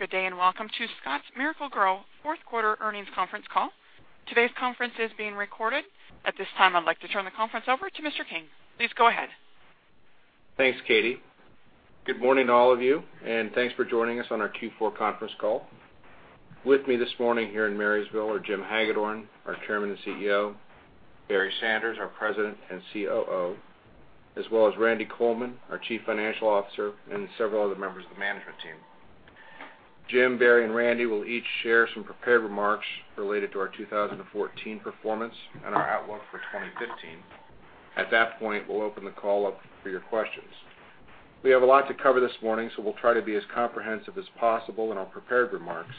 Good day, welcome to Scotts Miracle-Gro fourth quarter earnings conference call. Today's conference is being recorded. At this time, I'd like to turn the conference over to Mr. King. Please go ahead. Thanks, Katie. Good morning to all of you, thanks for joining us on our Q4 conference call. With me this morning here in Marysville are Jim Hagedorn, our Chairman and CEO, Barry Sanders, our President and COO, as well as Randy Coleman, our Chief Financial Officer, and several other members of the management team. Jim, Barry, and Randy will each share some prepared remarks related to our 2014 performance and our outlook for 2015. At that point, we'll open the call up for your questions. We have a lot to cover this morning, we'll try to be as comprehensive as possible in our prepared remarks.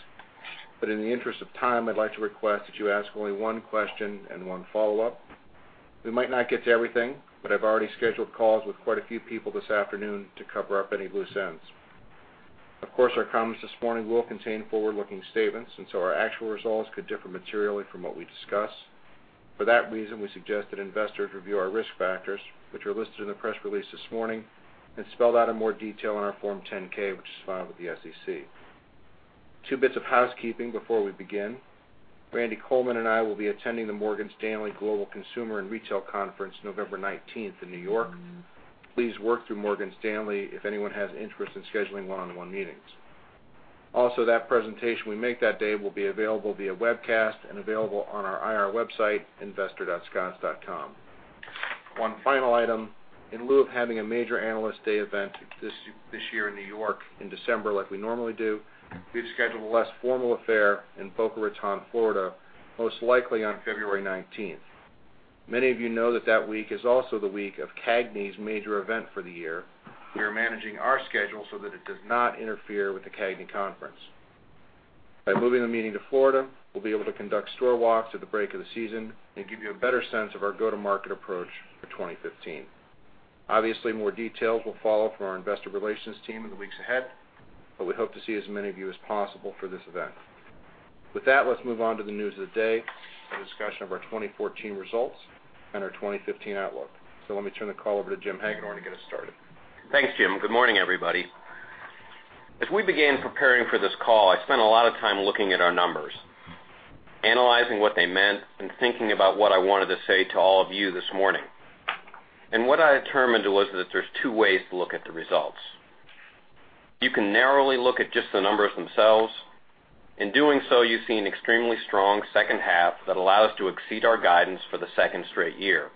In the interest of time, I'd like to request that you ask only one question and one follow-up. We might not get to everything, I've already scheduled calls with quite a few people this afternoon to cover up any loose ends. Of course, our comments this morning will contain forward-looking statements, our actual results could differ materially from what we discuss. For that reason, we suggest that investors review our risk factors, which are listed in the press release this morning and spelled out in more detail in our Form 10-K, which is filed with the SEC. Two bits of housekeeping before we begin. Randy Coleman and I will be attending the Morgan Stanley Global Consumer & Retail Conference, November 19th in New York. Please work through Morgan Stanley if anyone has interest in scheduling one-on-one meetings. That presentation we make that day will be available via webcast and available on our IR website, investor.scotts.com. One final item. In lieu of having a major analyst day event this year in New York in December like we normally do, we've scheduled a less formal affair in Boca Raton, Florida, most likely on February 19th. Many of you know that that week is also the week of CAGNY's major event for the year. We are managing our schedule so that it does not interfere with the CAGNY conference. By moving the meeting to Florida, we'll be able to conduct store walks at the break of the season and give you a better sense of our go-to-market approach for 2015. Obviously, more details will follow from our investor relations team in the weeks ahead, we hope to see as many of you as possible for this event. With that, let's move on to the news of the day, a discussion of our 2014 results and our 2015 outlook. Let me turn the call over to Jim Hagedorn to get us started. Thanks, Jim. Good morning, everybody. As we began preparing for this call, I spent a lot of time looking at our numbers, analyzing what they meant, and thinking about what I wanted to say to all of you this morning. What I determined was that there's two ways to look at the results. You can narrowly look at just the numbers themselves. In doing so, you see an extremely strong second half that allowed us to exceed our guidance for the second straight year.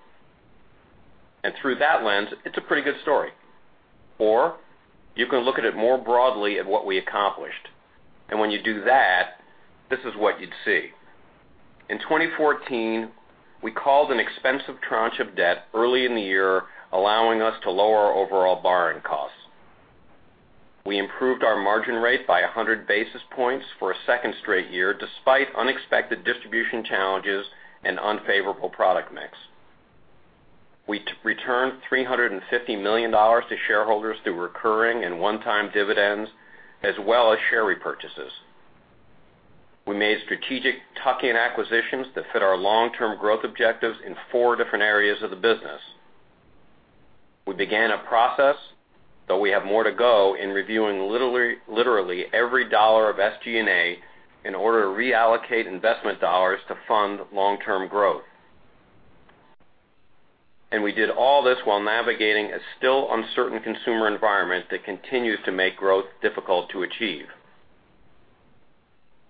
Through that lens, it's a pretty good story. You can look at it more broadly at what we accomplished. When you do that, this is what you'd see. In 2014, we called an expensive tranche of debt early in the year, allowing us to lower our overall borrowing costs. We improved our margin rate by 100 basis points for a second straight year, despite unexpected distribution challenges and unfavorable product mix. We returned $350 million to shareholders through recurring and one-time dividends, as well as share repurchases. We made strategic tuck-in acquisitions that fit our long-term growth objectives in four different areas of the business. We began a process, though we have more to go in reviewing literally every dollar of SG&A in order to reallocate investment dollars to fund long-term growth. We did all this while navigating a still uncertain consumer environment that continues to make growth difficult to achieve.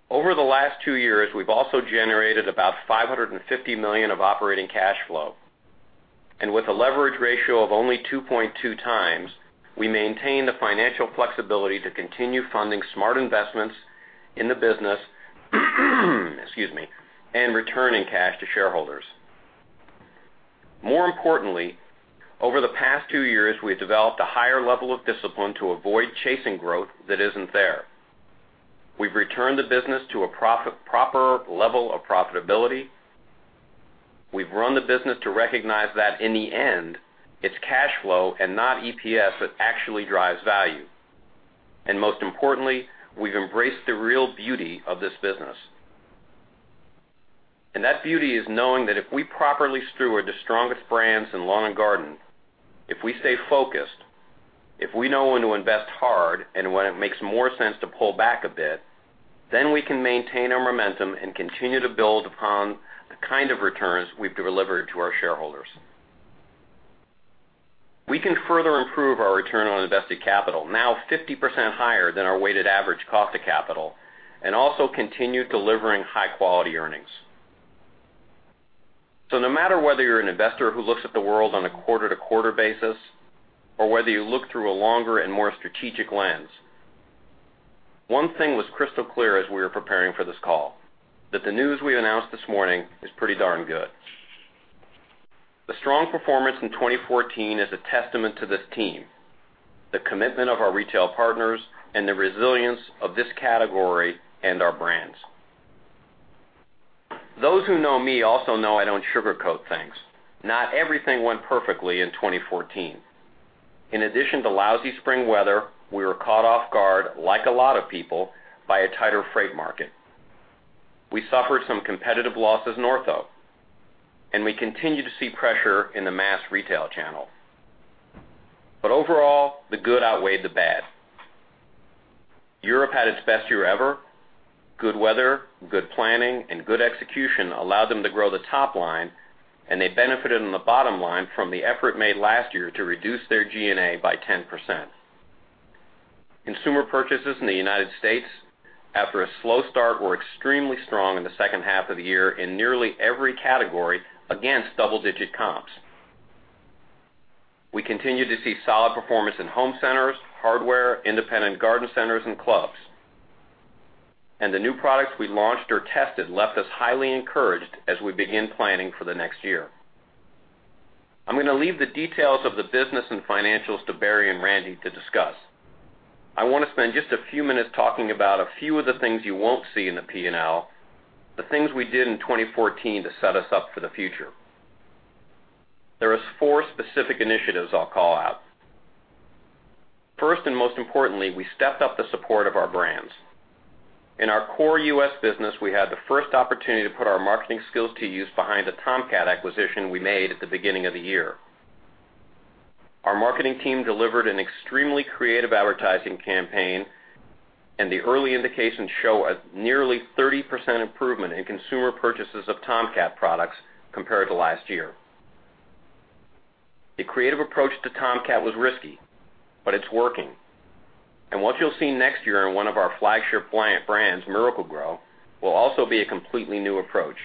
Over the last two years, we've also generated about $550 million of operating cash flow, and with a leverage ratio of only 2.2 times, we maintain the financial flexibility to continue funding smart investments in the business and returning cash to shareholders. More importantly, over the past two years, we've developed a higher level of discipline to avoid chasing growth that isn't there. We've returned the business to a proper level of profitability. We've run the business to recognize that in the end, it's cash flow and not EPS that actually drives value. Most importantly, we've embraced the real beauty of this business. That beauty is knowing that if we properly steward the strongest brands in lawn and garden, if we stay focused, if we know when to invest hard and when it makes more sense to pull back a bit, then we can maintain our momentum and continue to build upon the kind of returns we've delivered to our shareholders. We can further improve our return on invested capital, now 50% higher than our weighted average cost of capital, and also continue delivering high-quality earnings. No matter whether you're an investor who looks at the world on a quarter-to-quarter basis or whether you look through a longer and more strategic lens, one thing was crystal clear as we were preparing for this call, that the news we announced this morning is pretty darn good. The strong performance in 2014 is a testament to this team, the commitment of our retail partners, and the resilience of this category and our brands. Those who know me also know I don't sugarcoat things. Not everything went perfectly in 2014. In addition to lousy spring weather, we were caught off guard, like a lot of people, by a tighter freight market. We suffered some competitive losses in Ortho, and we continue to see pressure in the mass retail channel. Overall, the good outweighed the bad. Europe had its best year ever. Good weather, good planning, and good execution allowed them to grow the top line, and they benefited on the bottom line from the effort made last year to reduce their G&A by 10%. Consumer purchases in the United States, after a slow start, were extremely strong in the second half of the year in nearly every category against double-digit comps. We continue to see solid performance in home centers, hardware, independent garden centers, and clubs. The new products we launched or tested left us highly encouraged as we begin planning for the next year. I'm going to leave the details of the business and financials to Barry and Randy to discuss. I want to spend just a few minutes talking about a few of the things you won't see in the P&L, the things we did in 2014 to set us up for the future. There is four specific initiatives I'll call out. First, and most importantly, we stepped up the support of our brands. In our core U.S. business, we had the first opportunity to put our marketing skills to use behind the Tomcat acquisition we made at the beginning of the year. Our marketing team delivered an extremely creative advertising campaign, and the early indications show a nearly 30% improvement in consumer purchases of Tomcat products compared to last year. The creative approach to Tomcat was risky, but it's working. What you'll see next year in one of our flagship brands, Miracle-Gro, will also be a completely new approach.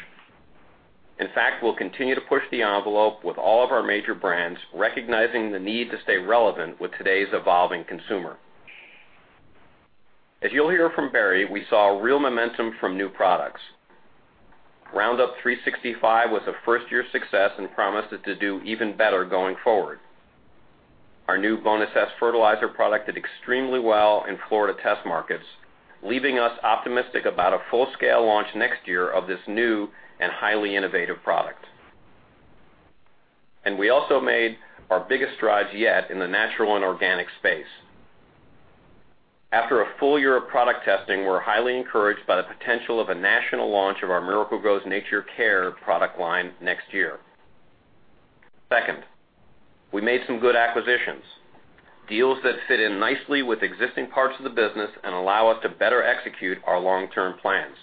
In fact, we'll continue to push the envelope with all of our major brands, recognizing the need to stay relevant with today's evolving consumer. As you'll hear from Barry, we saw real momentum from new products. Roundup 365 was a first-year success and promises to do even better going forward. Our new Bonus S fertilizer product did extremely well in Florida test markets, leaving us optimistic about a full-scale launch next year of this new and highly innovative product. We also made our biggest strides yet in the natural and organic space. After a full year of product testing, we're highly encouraged by the potential of a national launch of our Miracle-Gro's Nature's Care product line next year. Second, we made some good acquisitions, deals that fit in nicely with existing parts of the business and allow us to better execute our long-term plans.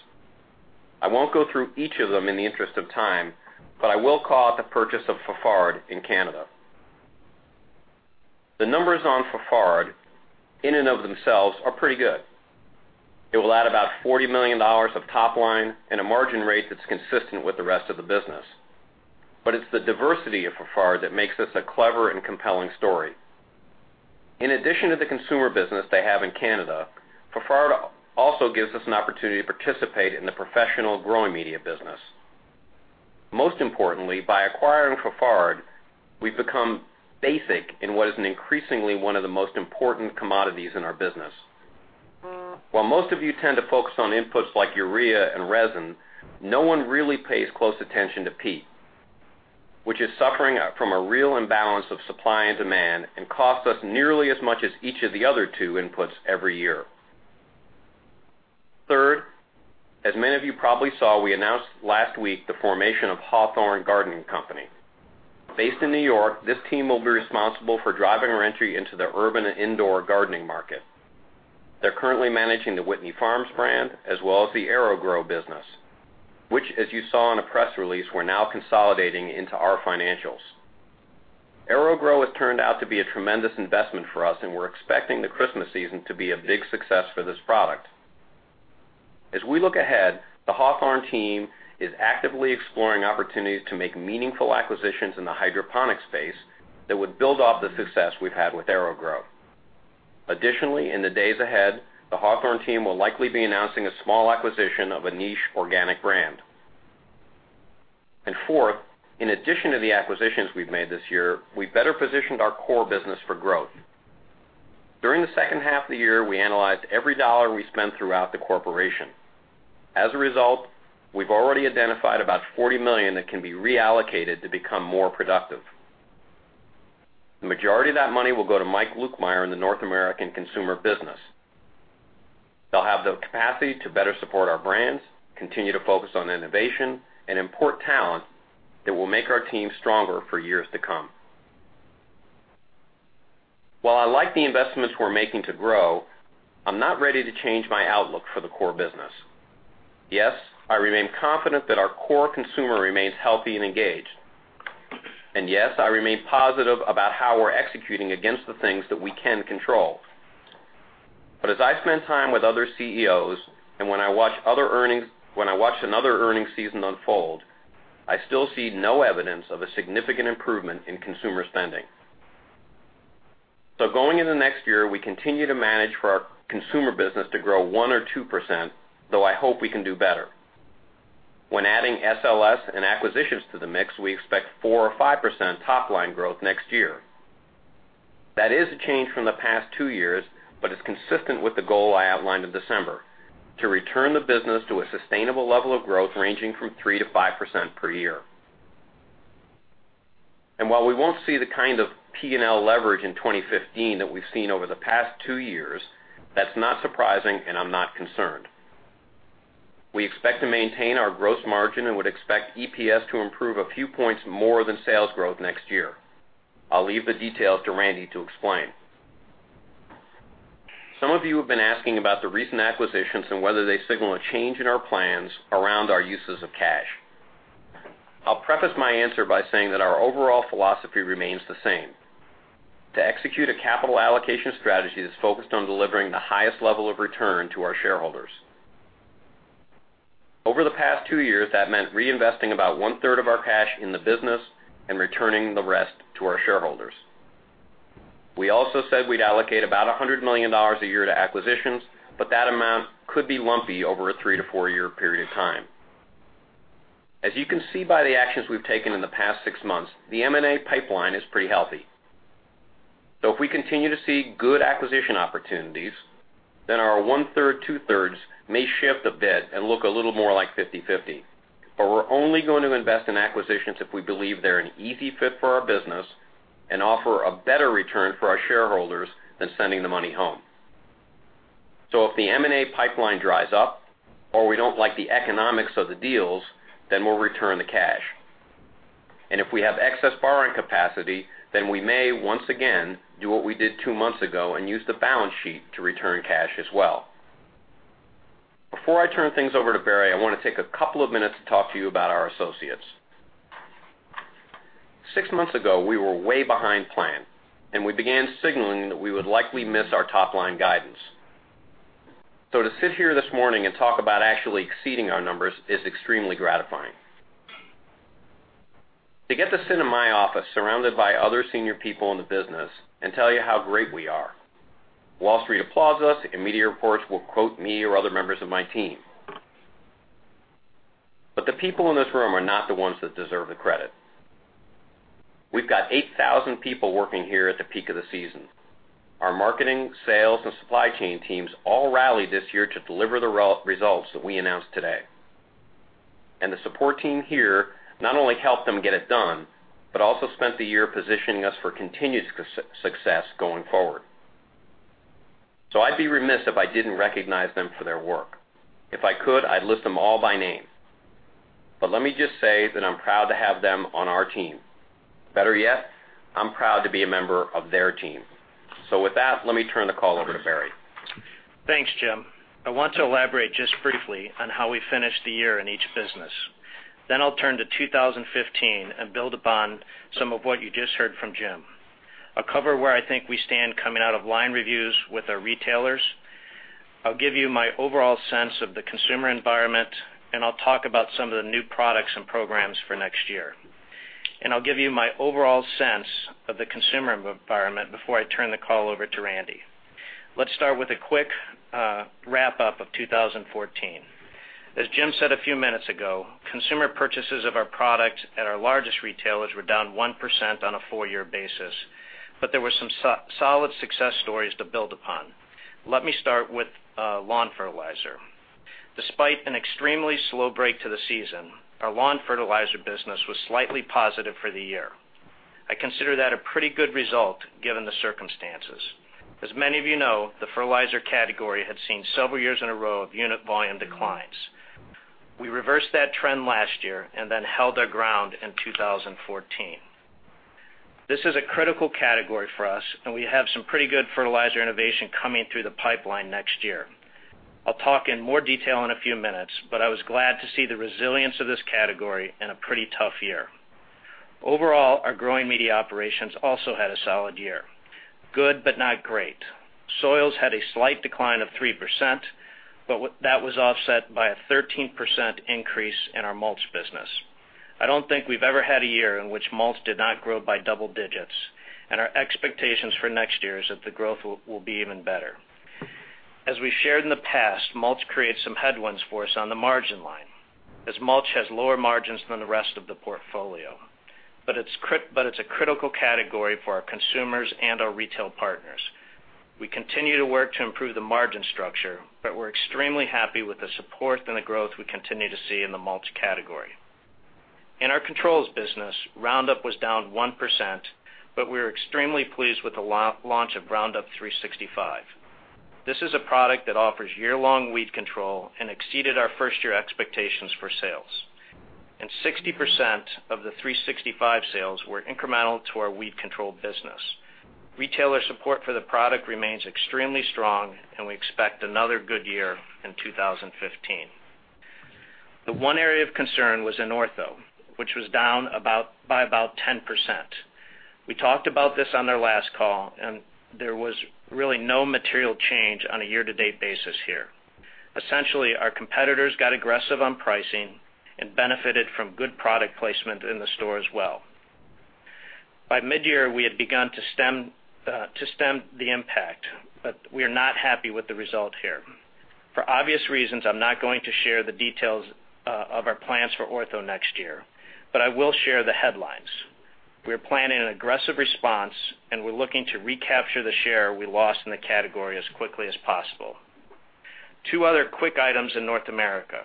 I won't go through each of them in the interest of time, but I will call out the purchase of Fafard in Canada. The numbers on Fafard, in and of themselves, are pretty good. It will add about $40 million of top line and a margin rate that's consistent with the rest of the business. It's the diversity of Fafard that makes this a clever and compelling story. In addition to the consumer business they have in Canada, Fafard also gives us an opportunity to participate in the professional growing media business. Most importantly, by acquiring Fafard, we've become basic in what is increasingly one of the most important commodities in our business. While most of you tend to focus on inputs like urea and resin, no one really pays close attention to peat, which is suffering from a real imbalance of supply and demand and costs us nearly as much as each of the other two inputs every year. Third, as many of you probably saw, we announced last week the formation of Hawthorne Gardening Company. Based in New York, this team will be responsible for driving our entry into the urban indoor gardening market. They're currently managing the Whitney Farms brand as well as the AeroGrow business, which, as you saw in a press release, we're now consolidating into our financials. AeroGrow has turned out to be a tremendous investment for us, and we're expecting the Christmas season to be a big success for this product. As we look ahead, the Hawthorne team is actively exploring opportunities to make meaningful acquisitions in the hydroponic space that would build off the success we've had with AeroGrow. Additionally, in the days ahead, the Hawthorne team will likely be announcing a small acquisition of a niche organic brand. Fourth, in addition to the acquisitions we've made this year, we better positioned our core business for growth. During the second half of the year, we analyzed every dollar we spent throughout the corporation. As a result, we've already identified about $40 million that can be reallocated to become more productive. The majority of that money will go to Mike Lukemire in the North American consumer business. They'll have the capacity to better support our brands, continue to focus on innovation, and import talent that will make our team stronger for years to come. While I like the investments we're making to grow, I'm not ready to change my outlook for the core business. Yes, I remain confident that our core consumer remains healthy and engaged. Yes, I remain positive about how we're executing against the things that we can control. As I spend time with other CEOs and when I watch another earnings season unfold, I still see no evidence of a significant improvement in consumer spending. Going into next year, we continue to manage for our consumer business to grow 1% or 2%, though I hope we can do better. When adding SLS and acquisitions to the mix, we expect 4% or 5% top-line growth next year. That is a change from the past two years, but it's consistent with the goal I outlined in December: to return the business to a sustainable level of growth ranging from 3% to 5% per year. While we won't see the kind of P&L leverage in 2015 that we've seen over the past two years, that's not surprising, and I'm not concerned. We expect to maintain our gross margin and would expect EPS to improve a few points more than sales growth next year. I'll leave the details to Randy to explain. Some of you have been asking about the recent acquisitions and whether they signal a change in our plans around our uses of cash. I'll preface my answer by saying that our overall philosophy remains the same, to execute a capital allocation strategy that's focused on delivering the highest level of return to our shareholders. Over the past two years, that meant reinvesting about one-third of our cash in the business and returning the rest to our shareholders. We also said we'd allocate about $100 million a year to acquisitions, but that amount could be lumpy over a three-to-four-year period of time. As you can see by the actions we've taken in the past six months, the M&A pipeline is pretty healthy. If we continue to see good acquisition opportunities, then our one-third, two-thirds may shift a bit and look a little more like 50/50. We're only going to invest in acquisitions if we believe they're an easy fit for our business and offer a better return for our shareholders than sending the money home. If the M&A pipeline dries up or we don't like the economics of the deals, then we'll return the cash. If we have excess borrowing capacity, then we may, once again, do what we did two months ago and use the balance sheet to return cash as well. Before I turn things over to Barry, I want to take a couple of minutes to talk to you about our associates. Six months ago, we were way behind plan, and we began signaling that we would likely miss our top-line guidance. To sit here this morning and talk about actually exceeding our numbers is extremely gratifying. To get to sit in my office surrounded by other senior people in the business and tell you how great we are, Wall Street applauds us, and media reports will quote me or other members of my team. The people in this room are not the ones that deserve the credit. We've got 8,000 people working here at the peak of the season. Our marketing, sales, and supply chain teams all rallied this year to deliver the results that we announced today. The support team here not only helped them get it done but also spent the year positioning us for continued success going forward. I'd be remiss if I didn't recognize them for their work. If I could, I'd list them all by name. Let me just say that I'm proud to have them on our team. Better yet, I'm proud to be a member of their team. With that, let me turn the call over to Barry. Thanks, Jim. I want to elaborate just briefly on how we finished the year in each business. I'll turn to 2015 and build upon some of what you just heard from Jim. I'll cover where I think we stand coming out of line reviews with our retailers, I'll give you my overall sense of the consumer environment, and I'll talk about some of the new products and programs for next year. I'll give you my overall sense of the consumer environment before I turn the call over to Randy. Let's start with a quick wrap-up of 2014. As Jim said a few minutes ago, consumer purchases of our products at our largest retailers were down 1% on a four-year basis, but there were some solid success stories to build upon. Let me start with lawn fertilizer. Despite an extremely slow break to the season, our lawn fertilizer business was slightly positive for the year. I consider that a pretty good result given the circumstances. As many of you know, the fertilizer category had seen several years in a row of unit volume declines. We reversed that trend last year and then held our ground in 2014. This is a critical category for us, and we have some pretty good fertilizer innovation coming through the pipeline next year. I'll talk in more detail in a few minutes, but I was glad to see the resilience of this category in a pretty tough year. Overall, our growing media operations also had a solid year, good but not great. Soils had a slight decline of 3%, but that was offset by a 13% increase in our mulch business. I don't think we've ever had a year in which mulch did not grow by double digits, and our expectations for next year is that the growth will be even better. As we've shared in the past, mulch creates some headwinds for us on the margin line, as mulch has lower margins than the rest of the portfolio, but it's a critical category for our consumers and our retail partners. We continue to work to improve the margin structure, but we're extremely happy with the support and the growth we continue to see in the mulch category. In our controls business, Roundup was down 1%, but we are extremely pleased with the launch of Roundup 365. This is a product that offers year-long weed control and exceeded our first-year expectations for sales. 60% of the 365 sales were incremental to our weed control business. Retailer support for the product remains extremely strong, and we expect another good year in 2015. The one area of concern was in Ortho, which was down by about 10%. We talked about this on our last call, and there was really no material change on a year-to-date basis here. Essentially, our competitors got aggressive on pricing and benefited from good product placement in the store as well. By mid-year, we had begun to stem the impact, but we are not happy with the result here. For obvious reasons, I'm not going to share the details of our plans for Ortho next year, but I will share the headlines. We're planning an aggressive response, and we're looking to recapture the share we lost in the category as quickly as possible. Two other quick items in North America.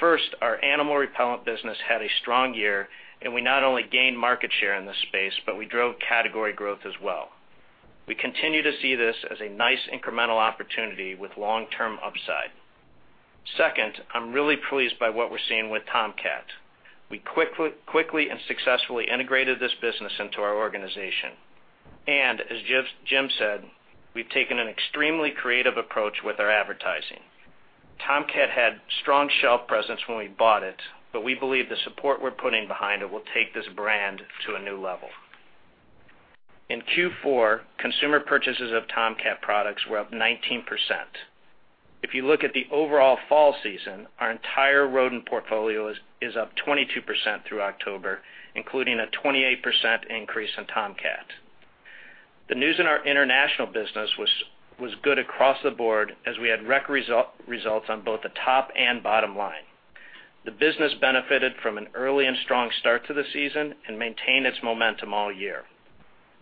First, our animal repellent business had a strong year. We not only gained market share in this space, but we drove category growth as well. We continue to see this as a nice incremental opportunity with long-term upside. Second, I'm really pleased by what we're seeing with Tomcat. We quickly and successfully integrated this business into our organization. As Jim said, we've taken an extremely creative approach with our advertising. Tomcat had strong shelf presence when we bought it, but we believe the support we're putting behind it will take this brand to a new level. In Q4, consumer purchases of Tomcat products were up 19%. If you look at the overall fall season, our entire rodent portfolio is up 22% through October, including a 28% increase in Tomcat. The news in our international business was good across the board as we had record results on both the top and bottom line. The business benefited from an early and strong start to the season and maintained its momentum all year.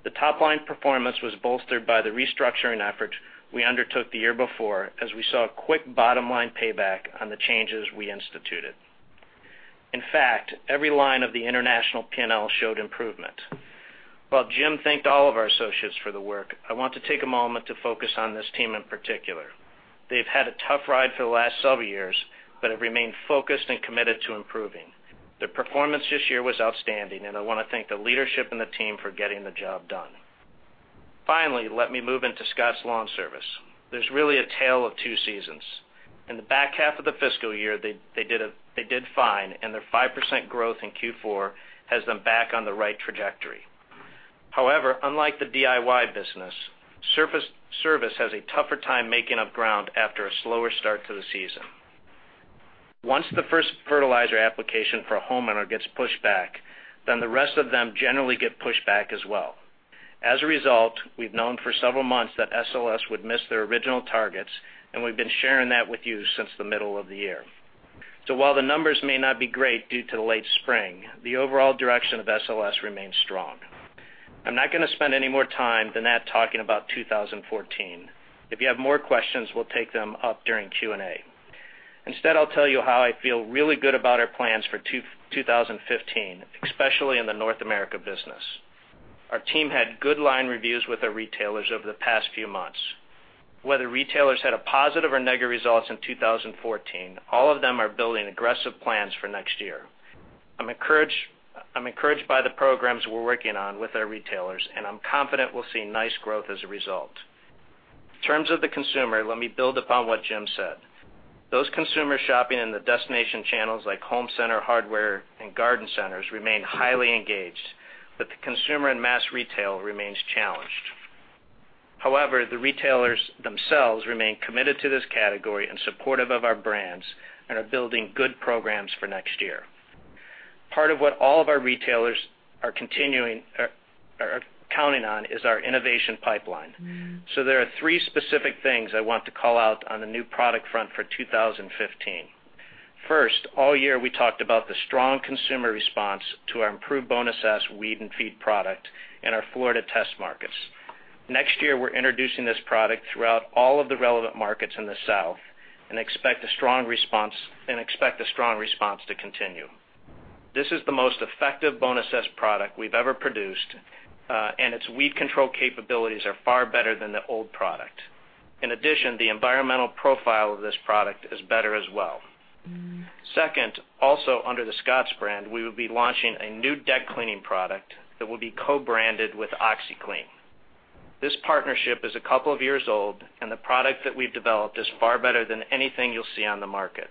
The top-line performance was bolstered by the restructuring efforts we undertook the year before, as we saw a quick bottom-line payback on the changes we instituted. In fact, every line of the international P&L showed improvement. While Jim thanked all of our associates for the work, I want to take a moment to focus on this team in particular. They've had a tough ride for the last several years, but have remained focused and committed to improving. Their performance this year was outstanding. I want to thank the leadership and the team for getting the job done. Finally, let me move into Scotts LawnService. There's really a tale of two seasons. In the back half of the fiscal year, they did fine, and their 5% growth in Q4 has them back on the right trajectory. However, unlike the DIY business, service has a tougher time making up ground after a slower start to the season. Once the first fertilizer application for a homeowner gets pushed back, the rest of them generally get pushed back as well. As a result, we've known for several months that SLS would miss their original targets, and we've been sharing that with you since the middle of the year. While the numbers may not be great due to the late spring, the overall direction of SLS remains strong. I'm not going to spend any more time than that talking about 2014. If you have more questions, we'll take them up during Q&A. Instead, I'll tell you how I feel really good about our plans for 2015, especially in the North America business. Our team had good line reviews with our retailers over the past few months. Whether retailers had positive or negative results in 2014, all of them are building aggressive plans for next year. I'm encouraged by the programs we're working on with our retailers. I'm confident we'll see nice growth as a result. In terms of the consumer, let me build upon what Jim said. Those consumers shopping in the destination channels like home center hardware and garden centers remain highly engaged. The consumer in mass retail remains challenged. However, the retailers themselves remain committed to this category and supportive of our brands and are building good programs for next year. Part of what all of our retailers are counting on is our innovation pipeline. All year, we talked about the strong consumer response to our improved Bonus S Weed and Feed product in our Florida test markets. We're introducing this product throughout all of the relevant markets in the South and expect a strong response to continue. This is the most effective Bonus S product we've ever produced, and its weed control capabilities are far better than the old product. The environmental profile of this product is better as well. Also under the Scotts brand, we will be launching a new deck cleaning product that will be co-branded with OxiClean. This partnership is a couple of years old, and the product that we've developed is far better than anything you'll see on the market.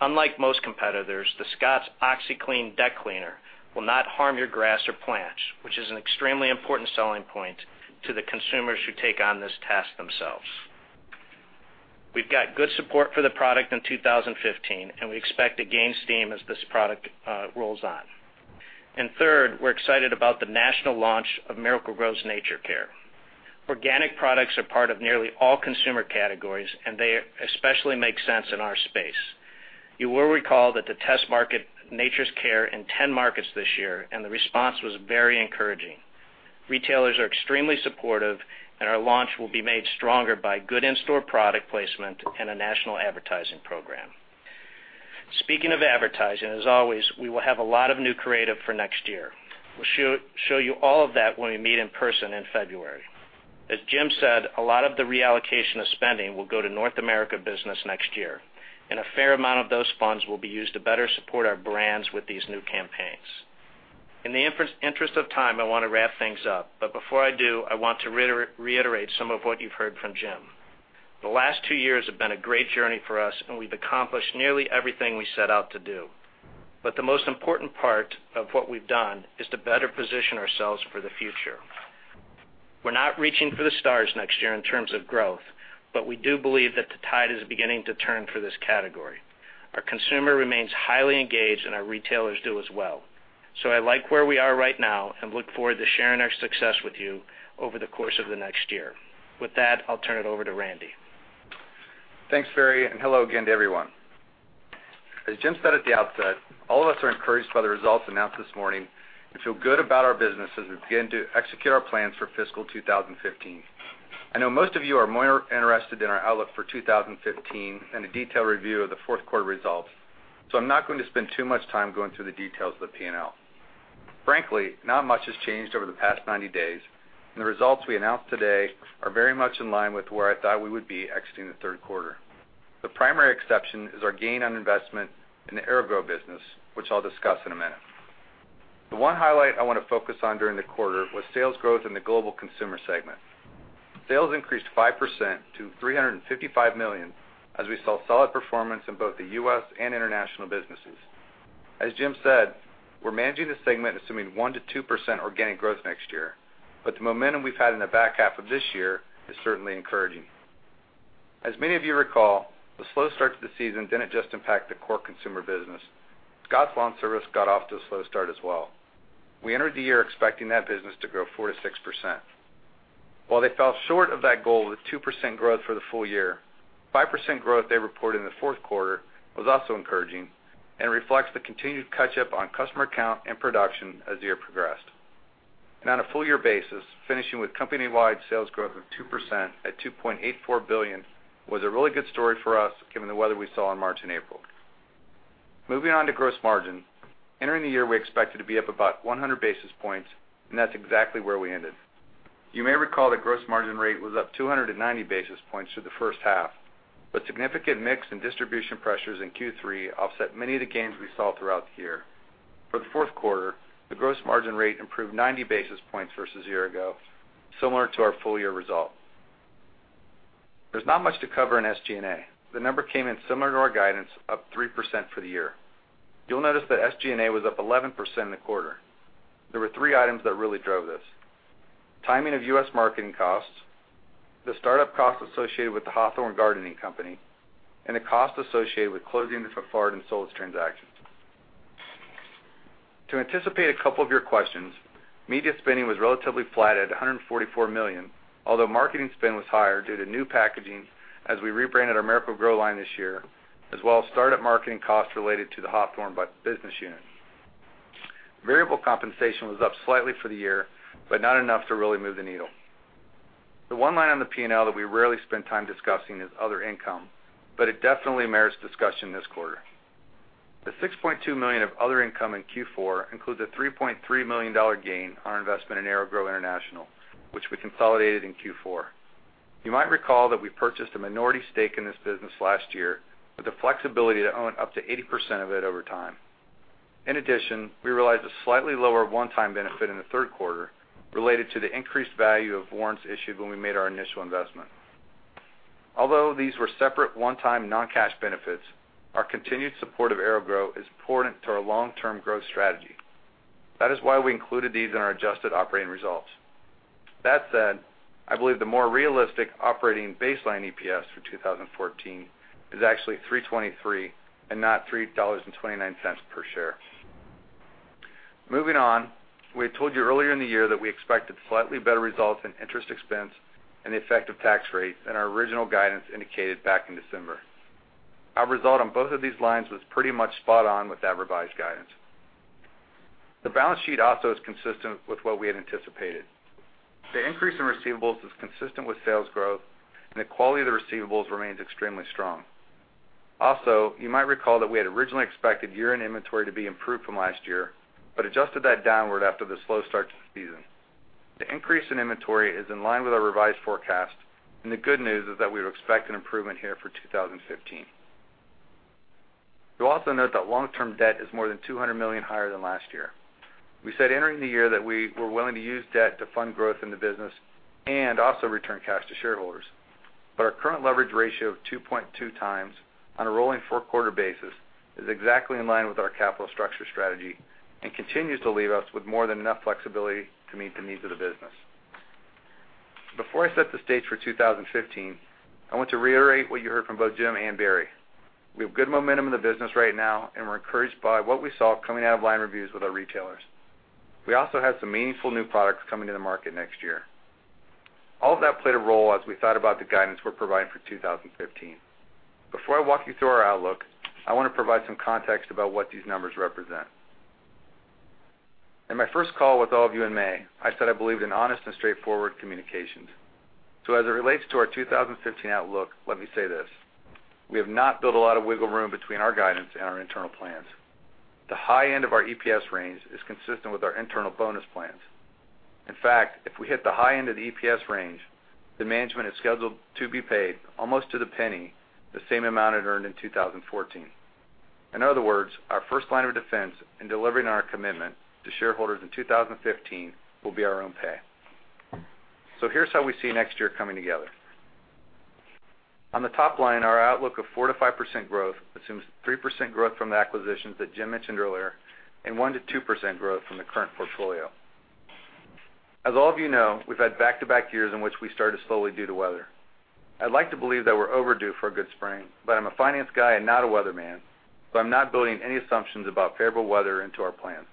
Unlike most competitors, the Scotts OxiClean deck cleaner will not harm your grass or plants, which is an extremely important selling point to the consumers who take on this task themselves. We've got good support for the product in 2015, and we expect to gain steam as this product rolls on. We're excited about the national launch of Miracle-Gro's Nature's Care. Organic products are part of nearly all consumer categories, and they especially make sense in our space. You will recall that the test market Nature's Care in 10 markets this year, and the response was very encouraging. Retailers are extremely supportive, and our launch will be made stronger by good in-store product placement and a national advertising program. As always, we will have a lot of new creative for next year. We'll show you all of that when we meet in person in February. As Jim said, a lot of the reallocation of spending will go to North America business next year, and a fair amount of those funds will be used to better support our brands with these new campaigns. In the interest of time, I want to wrap things up. Before I do, I want to reiterate some of what you've heard from Jim. The last two years have been a great journey for us, and we've accomplished nearly everything we set out to do. The most important part of what we've done is to better position ourselves for the future. We're not reaching for the stars next year in terms of growth, but we do believe that the tide is beginning to turn for this category. Our consumer remains highly engaged, and our retailers do as well. I like where we are right now and look forward to sharing our success with you over the course of the next year. With that, I'll turn it over to Randy. Thanks, Barry, and hello again to everyone. As Jim said at the outset, all of us are encouraged by the results announced this morning and feel good about our business as we begin to execute our plans for fiscal 2015. I know most of you are more interested in our outlook for 2015 than a detailed review of the fourth quarter results. I'm not going to spend too much time going through the details of the P&L. Frankly, not much has changed over the past 90 days, and the results we announced today are very much in line with where I thought we would be exiting the third quarter. The primary exception is our gain on investment in the AeroGrow business, which I'll discuss in a minute. The one highlight I want to focus on during the quarter was sales growth in the global consumer segment. Sales increased 5% to $355 million, as we saw solid performance in both the U.S. and international businesses. As Jim said, we're managing the segment assuming 1%-2% organic growth next year, but the momentum we've had in the back half of this year is certainly encouraging. As many of you recall, the slow start to the season didn't just impact the core consumer business. Scotts LawnService got off to a slow start as well. We entered the year expecting that business to grow 4%-6%. While they fell short of that goal with 2% growth for the full year, 5% growth they reported in the fourth quarter was also encouraging and reflects the continued catch-up on customer count and production as the year progressed. On a full year basis, finishing with company-wide sales growth of 2% at $2.84 billion was a really good story for us given the weather we saw in March and April. Moving on to gross margin. Entering the year, we expected to be up about 100 basis points, and that's exactly where we ended. You may recall the gross margin rate was up 290 basis points through the first half, but significant mix and distribution pressures in Q3 offset many of the gains we saw throughout the year. For the fourth quarter, the gross margin rate improved 90 basis points versus a year ago, similar to our full year result. There's not much to cover in SG&A. The number came in similar to our guidance, up 3% for the year. You'll notice that SG&A was up 11% in the quarter. There were three items that really drove this: timing of U.S. marketing costs, the start-up costs associated with the Hawthorne Gardening Company, and the cost associated with closing the Fafard and Solus transactions. To anticipate a couple of your questions, media spending was relatively flat at $144 million, although marketing spend was higher due to new packaging as we rebranded our Miracle-Gro line this year, as well as start-up marketing costs related to the Hawthorne business unit. Variable compensation was up slightly for the year, but not enough to really move the needle. The one line on the P&L that we rarely spend time discussing is other income, but it definitely merits discussion this quarter. The $6.2 million of other income in Q4 includes a $3.3 million gain on our investment in AeroGrow International, which we consolidated in Q4. You might recall that we purchased a minority stake in this business last year with the flexibility to own up to 80% of it over time. In addition, we realized a slightly lower one-time benefit in the third quarter related to the increased value of warrants issued when we made our initial investment. Although these were separate one-time non-cash benefits, our continued support of AeroGrow is important to our long-term growth strategy. We included these in our adjusted operating results. I believe the more realistic operating baseline EPS for 2014 is actually $3.23 and not $3.29 per share. Moving on, we told you earlier in the year that we expected slightly better results in interest expense and the effective tax rate than our original guidance indicated back in December. Our result on both of these lines was pretty much spot on with that revised guidance. The balance sheet also is consistent with what we had anticipated. The increase in receivables is consistent with sales growth, and the quality of the receivables remains extremely strong. You might recall that we had originally expected year-end inventory to be improved from last year, but adjusted that downward after the slow start to the season. The increase in inventory is in line with our revised forecast, and the good news is that we would expect an improvement here for 2015. You'll also note that long-term debt is more than $200 million higher than last year. We said entering the year that we were willing to use debt to fund growth in the business and also return cash to shareholders. Our current leverage ratio of 2.2 times on a rolling four-quarter basis is exactly in line with our capital structure strategy and continues to leave us with more than enough flexibility to meet the needs of the business. Before I set the stage for 2015, I want to reiterate what you heard from both Jim and Barry. We have good momentum in the business right now, and we're encouraged by what we saw coming out of line reviews with our retailers. We also have some meaningful new products coming to the market next year. All of that played a role as we thought about the guidance we're providing for 2015. Before I walk you through our outlook, I want to provide some context about what these numbers represent. In my first call with all of you in May, I said I believed in honest and straightforward communications. As it relates to our 2015 outlook, let me say this. We have not built a lot of wiggle room between our guidance and our internal plans. The high end of our EPS range is consistent with our internal bonus plans. In fact, if we hit the high end of the EPS range, the management is scheduled to be paid almost to the penny the same amount it earned in 2014. In other words, our first line of defense in delivering our commitment to shareholders in 2015 will be our own pay. Here's how we see next year coming together. On the top line, our outlook of 4%-5% growth assumes 3% growth from the acquisitions that Jim mentioned earlier and 1%-2% growth from the current portfolio. As all of you know, we've had back-to-back years in which we started slowly due to weather. I'd like to believe that we're overdue for a good spring. I'm a finance guy and not a weatherman, I'm not building any assumptions about favorable weather into our plan.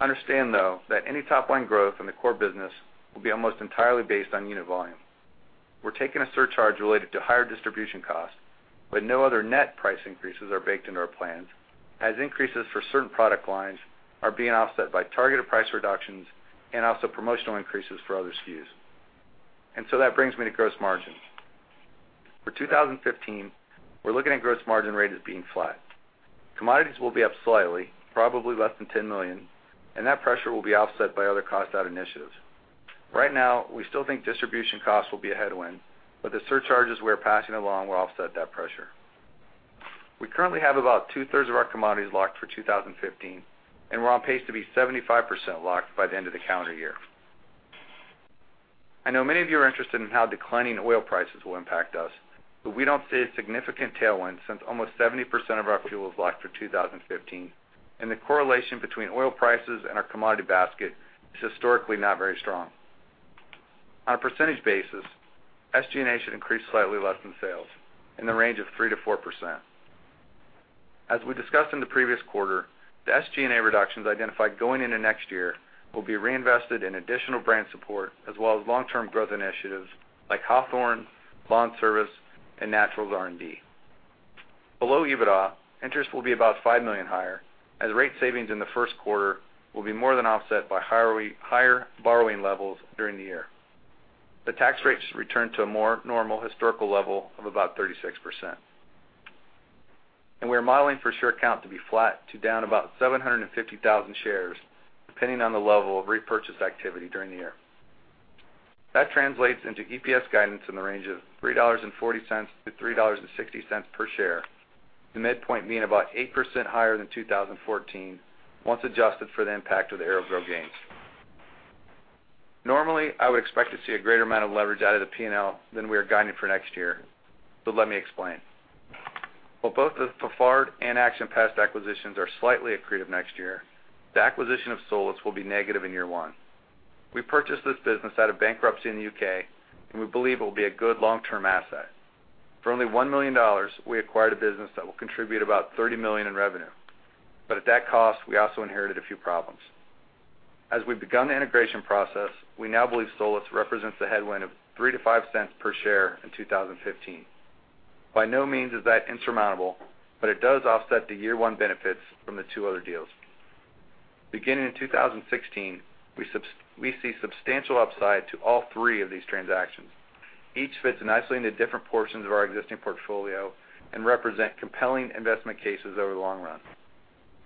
Understand, though, that any top-line growth in the core business will be almost entirely based on unit volume. We're taking a surcharge related to higher distribution costs. No other net price increases are baked into our plans, as increases for certain product lines are being offset by targeted price reductions and also promotional increases for other SKUs. That brings me to gross margins. For 2015, we're looking at gross margin rate as being flat. Commodities will be up slightly, probably less than $10 million. That pressure will be offset by other cost-out initiatives. Right now, we still think distribution costs will be a headwind. The surcharges we're passing along will offset that pressure. We currently have about two-thirds of our commodities locked for 2015. We're on pace to be 75% locked by the end of the calendar year. I know many of you are interested in how declining oil prices will impact us. We don't see a significant tailwind since almost 70% of our fuel is locked through 2015. The correlation between oil prices and our commodity basket is historically not very strong. On a percentage basis, SG&A should increase slightly less than sales, in the range of 3%-4%. As we discussed in the previous quarter, the SG&A reductions identified going into next year will be reinvested in additional brand support as well as long-term growth initiatives like Hawthorne, lawn service, and Naturals R&D. Below EBITDA, interest will be about $5 million higher as rate savings in the first quarter will be more than offset by higher borrowing levels during the year. The tax rate should return to a more normal historical level of about 36%. We are modeling for share count to be flat to down about 750,000 shares, depending on the level of repurchase activity during the year. That translates into EPS guidance in the range of $3.40-$3.60 per share. The midpoint being about 8% higher than 2014, once adjusted for the impact of the AeroGrow gains. Normally, I would expect to see a greater amount of leverage out of the P&L than we are guiding for next year. Let me explain. While both the Fafard and Action Pest acquisitions are slightly accretive next year, the acquisition of Solus will be negative in year one. We purchased this business out of bankruptcy in the U.K. We believe it will be a good long-term asset. For only $1 million, we acquired a business that will contribute about $30 million in revenue. At that cost, we also inherited a few problems. As we've begun the integration process, we now believe Solus represents a headwind of $0.03-$0.05 per share in 2015. By no means is that insurmountable. It does offset the year one benefits from the two other deals. Beginning in 2016, we see substantial upside to all three of these transactions. Each fits nicely into different portions of our existing portfolio and represent compelling investment cases over the long run.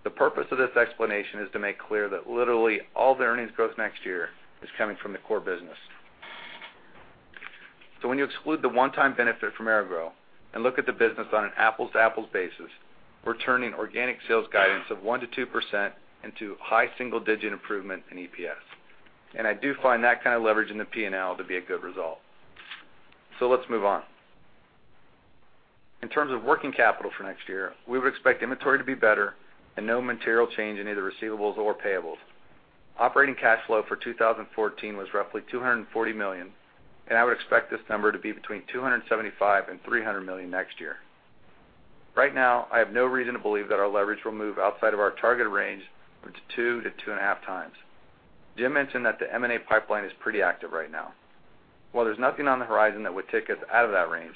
The purpose of this explanation is to make clear that literally all the earnings growth next year is coming from the core business. When you exclude the one-time benefit from AeroGrow and look at the business on an apples-to-apples basis, we're turning organic sales guidance of 1%-2% into high single-digit improvement in EPS. I do find that kind of leverage in the P&L to be a good result. Let's move on. In terms of working capital for next year, we would expect inventory to be better and no material change in either receivables or payables. Operating cash flow for 2014 was roughly $240 million, and I would expect this number to be between $275 million and $300 million next year. Right now, I have no reason to believe that our leverage will move outside of our targeted range, which is two to two and a half times. Jim mentioned that the M&A pipeline is pretty active right now. While there's nothing on the horizon that would take us out of that range,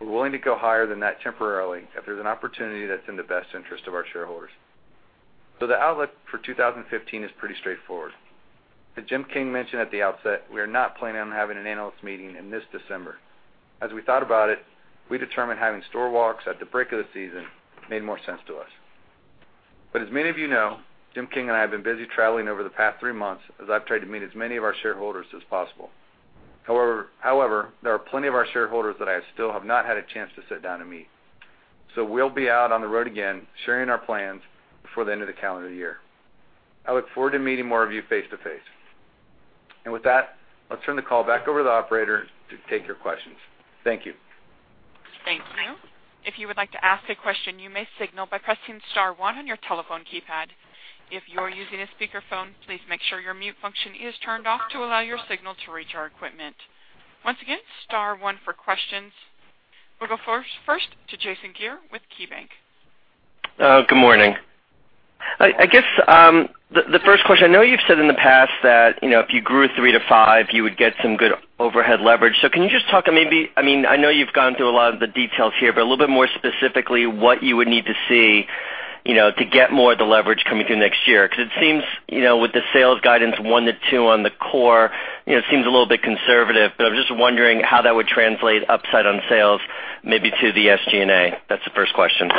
we're willing to go higher than that temporarily if there's an opportunity that's in the best interest of our shareholders. The outlook for 2015 is pretty straightforward. As Jim King mentioned at the outset, we are not planning on having an analyst meeting in this December. As we thought about it, we determined having store walks at the break of the season made more sense to us. As many of you know, Jim King and I have been busy traveling over the past three months as I've tried to meet as many of our shareholders as possible. However, there are plenty of our shareholders that I still have not had a chance to sit down and meet. We'll be out on the road again, sharing our plans before the end of the calendar year. I look forward to meeting more of you face to face. With that, let's turn the call back over to the operator to take your questions. Thank you. Thank you. If you would like to ask a question, you may signal by pressing star one on your telephone keypad. If you are using a speakerphone, please make sure your mute function is turned off to allow your signal to reach our equipment. Once again, star one for questions. We'll go first to Jason Gere with KeyBanc. Good morning. I guess, the first question, I know you've said in the past that if you grew 3%-5%, you would get some good overhead leverage. Can you just talk, maybe, I know you've gone through a lot of the details here, but a little bit more specifically, what you would need to see to get more of the leverage coming through next year? Because it seems, with the sales guidance 1%-2% on the core, it seems a little bit conservative, but I'm just wondering how that would translate upside on sales, maybe to the SG&A. That's the first question.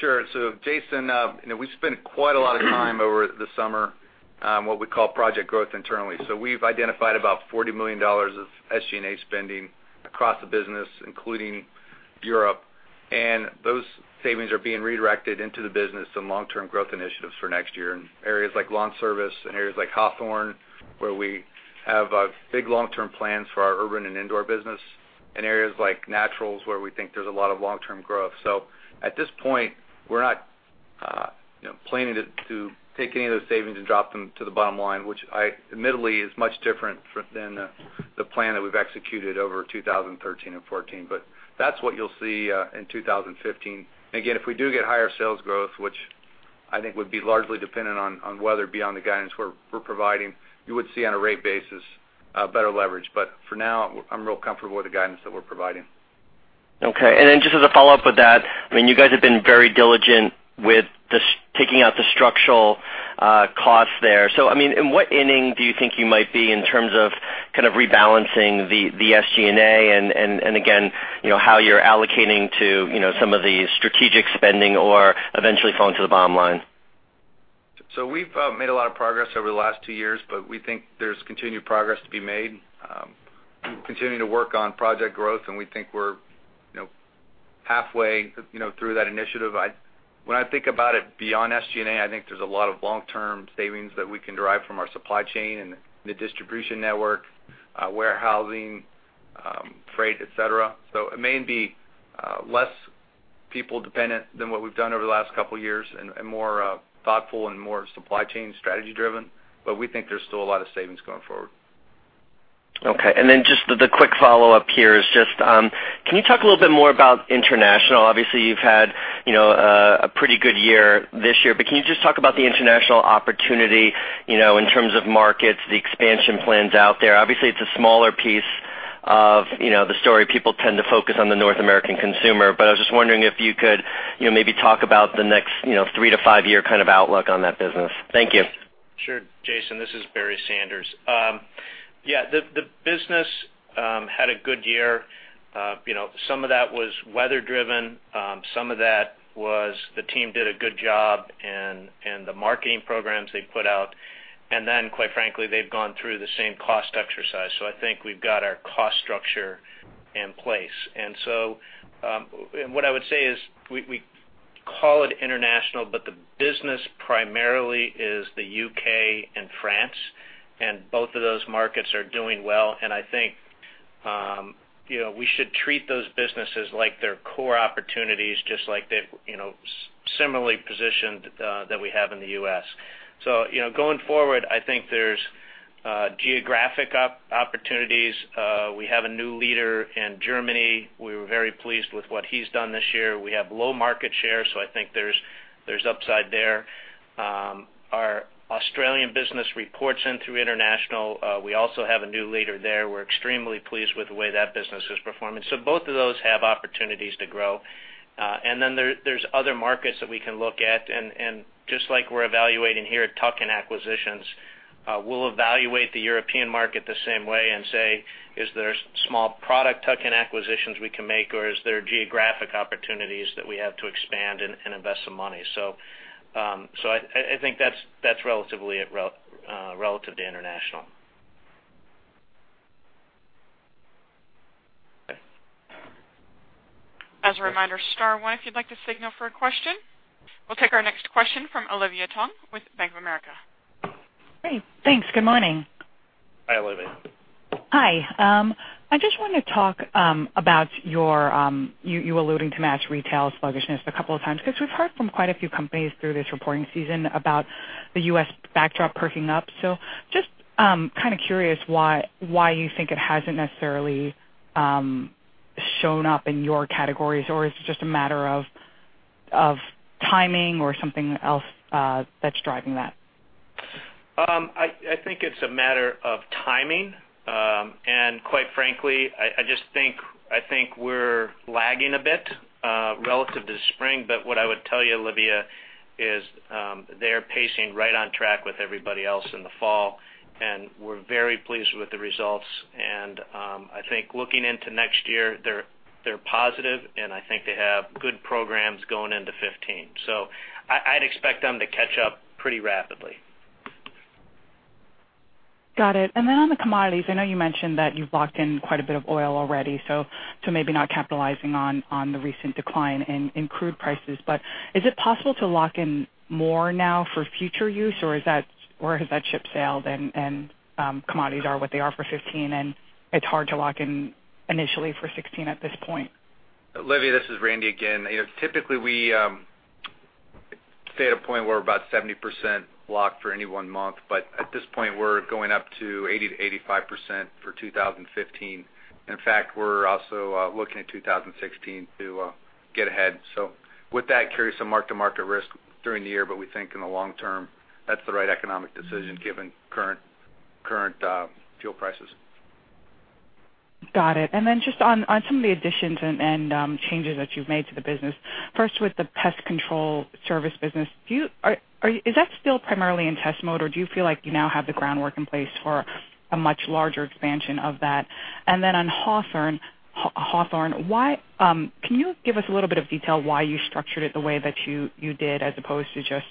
Sure. Jason, we've spent quite a lot of time over the summer on what we call Project Growth internally. We've identified about $40 million of SG&A spending across the business, including Europe, and those savings are being redirected into the business and long-term growth initiatives for next year in areas like lawn service and areas like Hawthorne, where we have big long-term plans for our urban and indoor business, and areas like Naturals, where we think there's a lot of long-term growth. At this point, we're not planning to take any of those savings and drop them to the bottom line, which admittedly is much different than the plan that we've executed over 2013 and 2014. That's what you'll see in 2015. Again, if we do get higher sales growth, which I think would be largely dependent on whether beyond the guidance we're providing, you would see on a rate basis better leverage. For now, I'm real comfortable with the guidance that we're providing. Okay. Just as a follow-up with that, you guys have been very diligent with taking out the structural costs there. In what inning do you think you might be in terms of rebalancing the SG&A, and again, how you're allocating to some of the strategic spending or eventually falling to the bottom line? We've made a lot of progress over the last 2 years, but we think there's continued progress to be made. Continuing to work on Project Growth, and we think we're halfway through that initiative. When I think about it beyond SG&A, I think there's a lot of long-term savings that we can derive from our supply chain and the distribution network, warehousing, freight, et cetera. It may be less people dependent than what we've done over the last couple of years and more thoughtful and more supply chain strategy driven, but we think there's still a lot of savings going forward. Okay. Just the quick follow-up here is just, can you talk a little bit more about international? Obviously, you've had a pretty good year this year. Can you just talk about the international opportunity in terms of markets, the expansion plans out there? Obviously, it's a smaller piece of the story. People tend to focus on the North American consumer, but I was just wondering if you could maybe talk about the next 3 to 5-year kind of outlook on that business. Thank you. Sure. Jason, this is Barry Sanders. The business had a good year. Some of that was weather driven. Some of that was the team did a good job and the marketing programs they put out. Quite frankly, they've gone through the same cost exercise. I think we've got our cost structure in place. What I would say is we call it international, but the business primarily is the U.K. and France, and both of those markets are doing well. I think we should treat those businesses like they're core opportunities, just like they've similarly positioned that we have in the U.S. Going forward, I think there's geographic opportunities. We have a new leader in Germany. We were very pleased with what he's done this year. We have low market share, so I think there's upside there. Our Australian business reports in through international. We also have a new leader there. We're extremely pleased with the way that business is performing. Both of those have opportunities to grow. There's other markets that we can look at, and just like we're evaluating here at tuck-in acquisitions, we'll evaluate the European market the same way and say, "Is there small product tuck-in acquisitions we can make, or is there geographic opportunities that we have to expand and invest some money?" I think that's relatively relative to international. Okay. As a reminder, star one if you'd like to signal for a question. We'll take our next question from Olivia Tong with Bank of America. Great. Thanks. Good morning. Hi, Olivia. Hi. I just want to talk about you alluding to mass retail sluggishness a couple of times because we've heard from quite a few companies through this reporting season about the U.S. backdrop perking up. I'm just curious why you think it hasn't necessarily shown up in your categories, or is it just a matter of timing or something else that's driving that? I think it's a matter of timing. Quite frankly, I think we're lagging a bit relative to spring. What I would tell you, Olivia, is they're pacing right on track with everybody else in the fall, and we're very pleased with the results. I think looking into next year, they're positive, and I think they have good programs going into 2015. I'd expect them to catch up pretty rapidly. Got it. Then on the commodities, I know you mentioned that you've locked in quite a bit of oil already, so maybe not capitalizing on the recent decline in crude prices. Is it possible to lock in more now for future use, or has that ship sailed and commodities are what they are for 2015, and it's hard to lock in initially for 2016 at this point? Olivia, this is Randy again. Typically, we stay at a point where we're about 70% locked for any one month, but at this point, we're going up to 80%-85% for 2015. In fact, we're also looking at 2016 to get ahead. With that carries some mark-to-market risk during the year, but we think in the long term, that's the right economic decision given current fuel prices. Got it. Then just on some of the additions and changes that you've made to the business. First, with the pest control service business. Is that still primarily in test mode, or do you feel like you now have the groundwork in place for a much larger expansion of that? Then on Hawthorne, can you give us a little bit of detail why you structured it the way that you did as opposed to just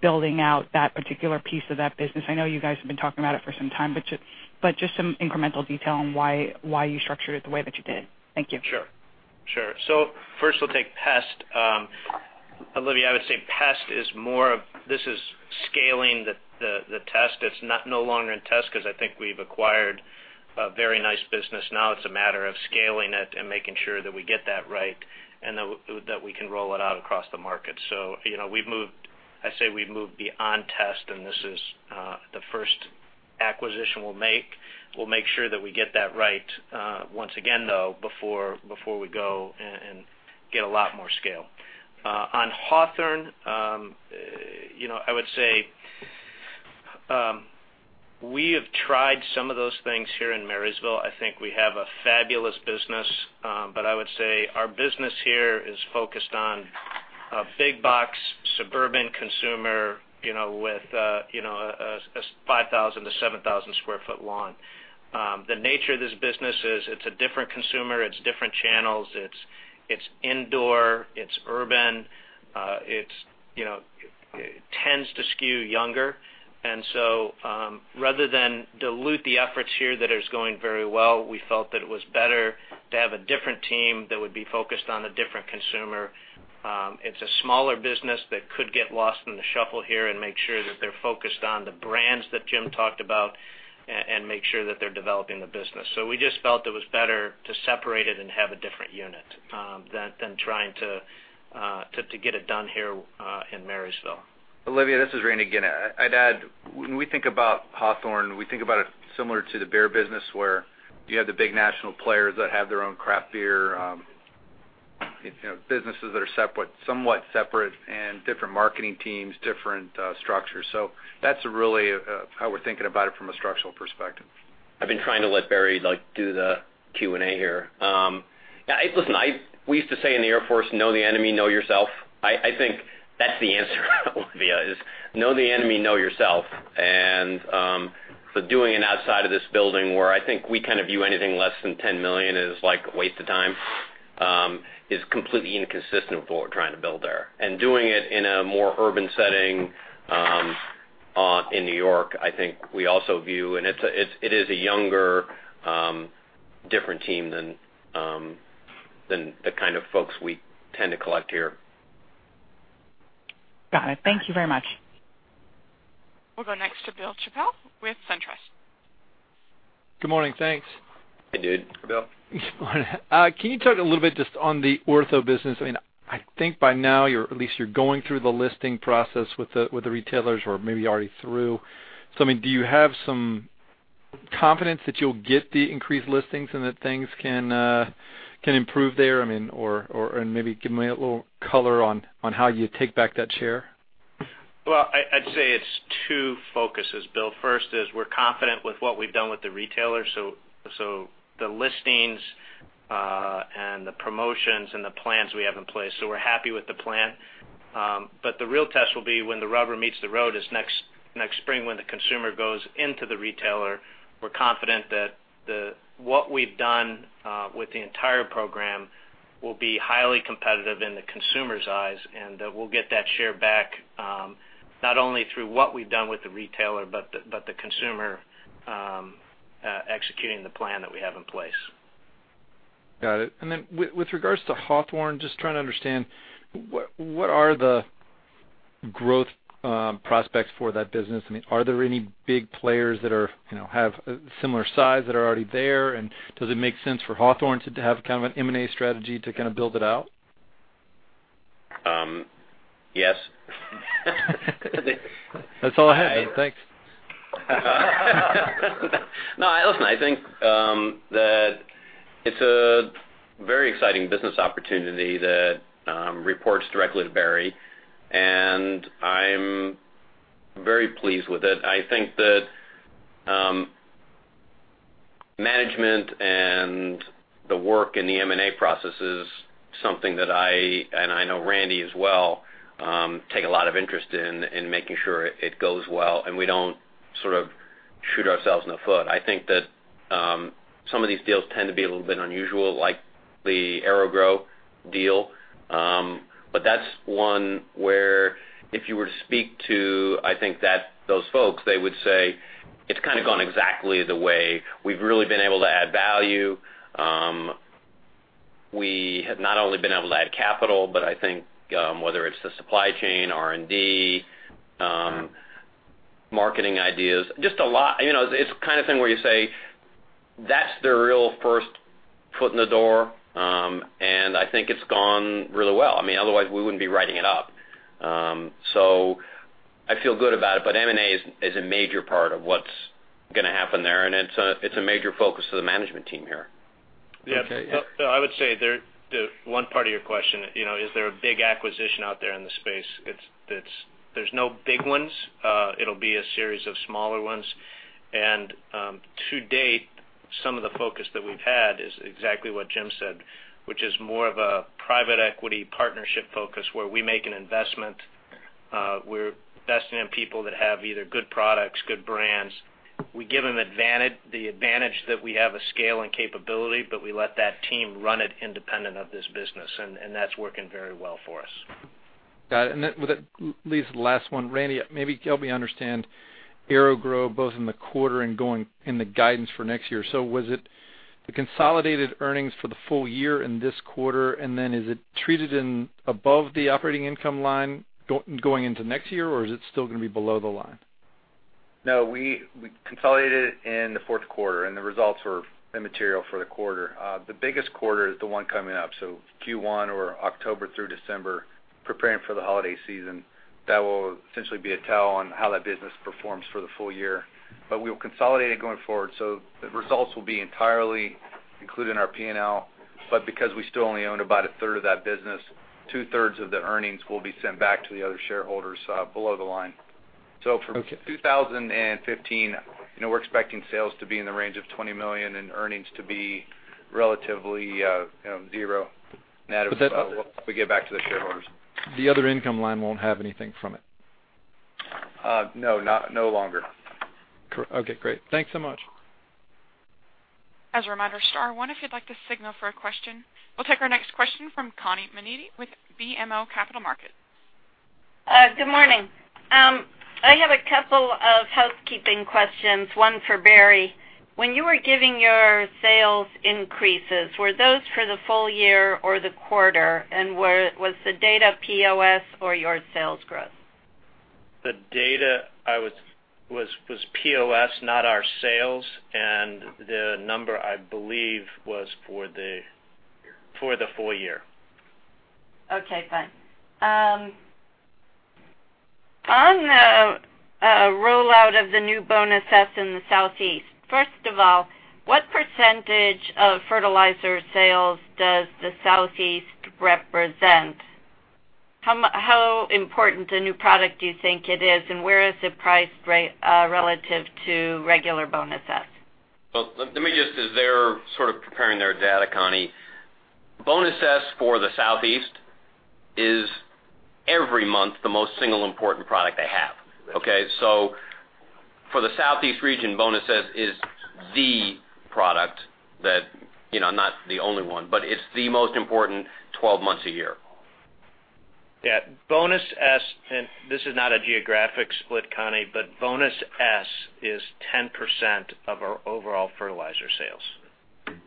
building out that particular piece of that business? I know you guys have been talking about it for some time, but just some incremental detail on why you structured it the way that you did. Thank you. Sure. First we'll take pest. Olivia, I would say pest is more of this is scaling the test. It's no longer in test because I think we've acquired a very nice business now. It's a matter of scaling it and making sure that we get that right and that we can roll it out across the market. I'd say we've moved beyond test, and this is the first acquisition we'll make. We'll make sure that we get that right once again, though, before we go and get a lot more scale. On Hawthorne, I would say we have tried some of those things here in Marysville. I think we have a fabulous business. I would say our business here is focused on a big box suburban consumer, with a 5,000-7,000 sq ft lawn. The nature of this business is it's a different consumer, it's different channels, it's indoor, it's urban, it tends to skew younger. Rather than dilute the efforts here that is going very well, we felt that it was better to have a different team that would be focused on a different consumer. It's a smaller business that could get lost in the shuffle here and make sure that they're focused on the brands that Jim talked about, and make sure that they're developing the business. We just felt it was better to separate it and have a different unit, than trying to get it done here, in Marysville. Olivia, this is Randy again. I'd add, when we think about Hawthorne, we think about it similar to the beer business, where you have the big national players that have their own craft beer, businesses that are somewhat separate and different marketing teams, different structures. That's really how we're thinking about it from a structural perspective. I've been trying to let Barry do the Q&A here. Listen, we used to say in the Air Force, "Know the enemy, know yourself." I think that's the answer Olivia, is know the enemy, know yourself. Doing it outside of this building where I think we kind of view anything less than $10 million is like a waste of time, is completely inconsistent with what we're trying to build there. Doing it in a more urban setting, in New York, I think we also view, and it is a younger, different team than the kind of folks we tend to collect here. Got it. Thank you very much. We'll go next to Bill Chappell with SunTrust. Good morning. Thanks. Hey, dude. Bill. Good morning. Can you talk a little bit just on the Ortho business? I think by now, at least you're going through the listing process with the retailers or maybe already through. Do you have some confidence that you'll get the increased listings and that things can improve there? Maybe give me a little color on how you take back that share. Well, I'd say it's two focuses, Bill. First is we're confident with what we've done with the retailers, so the listings, and the promotions and the plans we have in place. We're happy with the plan. The real test will be when the rubber meets the road, is next spring when the consumer goes into the retailer. We're confident that what we've done with the entire program will be highly competitive in the consumer's eyes, and that we'll get that share back, not only through what we've done with the retailer, but the consumer executing the plan that we have in place. Got it. With regards to Hawthorne, just trying to understand what are the growth prospects for that business? Are there any big players that have a similar size that are already there? Does it make sense for Hawthorne to have kind of an M&A strategy to kind of build it out? Yes. That's all I had, man. Thanks. No, listen, I think that it's a very exciting business opportunity that reports directly to Barry, and I'm very pleased with it. I think that management and the work in the M&A process is something that I, and I know Randy as well, take a lot of interest in making sure it goes well and we don't sort of shoot ourselves in the foot. I think that some of these deals tend to be a little bit unusual, like the AeroGrow deal. That's one where if you were to speak to, I think, those folks, they would say it's kind of gone exactly the way. We've really been able to add value. We have not only been able to add capital, but I think whether it's the supply chain, R&D, marketing ideas, it's the kind of thing where you say, that's their real first foot in the door. I think it's gone really well. Otherwise, we wouldn't be writing it up. I feel good about it, but M&A is a major part of what's gonna happen there, and it's a major focus of the management team here. Okay, yeah. I would say, the one part of your question, is there a big acquisition out there in the space? There's no big ones. It'll be a series of smaller ones. To date, some of the focus that we've had is exactly what Jim said, which is more of a private equity partnership focus where we make an investment. We're investing in people that have either good products, good brands. We give them the advantage that we have a scale and capability, but we let that team run it independent of this business, and that's working very well for us. Got it. With that, leads to the last one. Randy, maybe help me understand AeroGrow, both in the quarter and going in the guidance for next year. Was it the consolidated earnings for the full year and this quarter, and then is it treated above the operating income line going into next year, or is it still going to be below the line? No, we consolidated it in the fourth quarter, and the results were immaterial for the quarter. The biggest quarter is the one coming up, so Q1 or October through December, preparing for the holiday season. That will essentially be a tell on how that business performs for the full year. We'll consolidate it going forward. The results will be entirely included in our P&L, but because we still only own about a third of that business, two-thirds of the earnings will be sent back to the other shareholders below the line. Okay. For 2015, we're expecting sales to be in the range of $20 million, and earnings to be relatively zero net of what we give back to the shareholders. The other income line won't have anything from it? No, no longer. Okay, great. Thanks so much. As a reminder, star one if you'd like to signal for a question. We'll take our next question from Connie Menniti with BMO Capital Markets. Good morning. I have a couple of housekeeping questions, one for Barry. When you were giving your sales increases, were those for the full year or the quarter? Was the data POS or your sales growth? The data was POS, not our sales. The number, I believe, was for the full year. Okay, fine. On the rollout of the new Bonus S in the Southeast, first of all, what % of fertilizer sales does the Southeast represent? How important a new product do you think it is, and where is it priced relative to regular Bonus S? Well, let me just, as they're sort of preparing their data, Connie. Bonus S for the Southeast is every month the most single important product they have, okay? For the Southeast region, Bonus S is the product that, not the only one, but it's the most important 12 months a year. Yeah. Bonus S, this is not a geographic split, Connie, Bonus S is 10% of our overall fertilizer sales.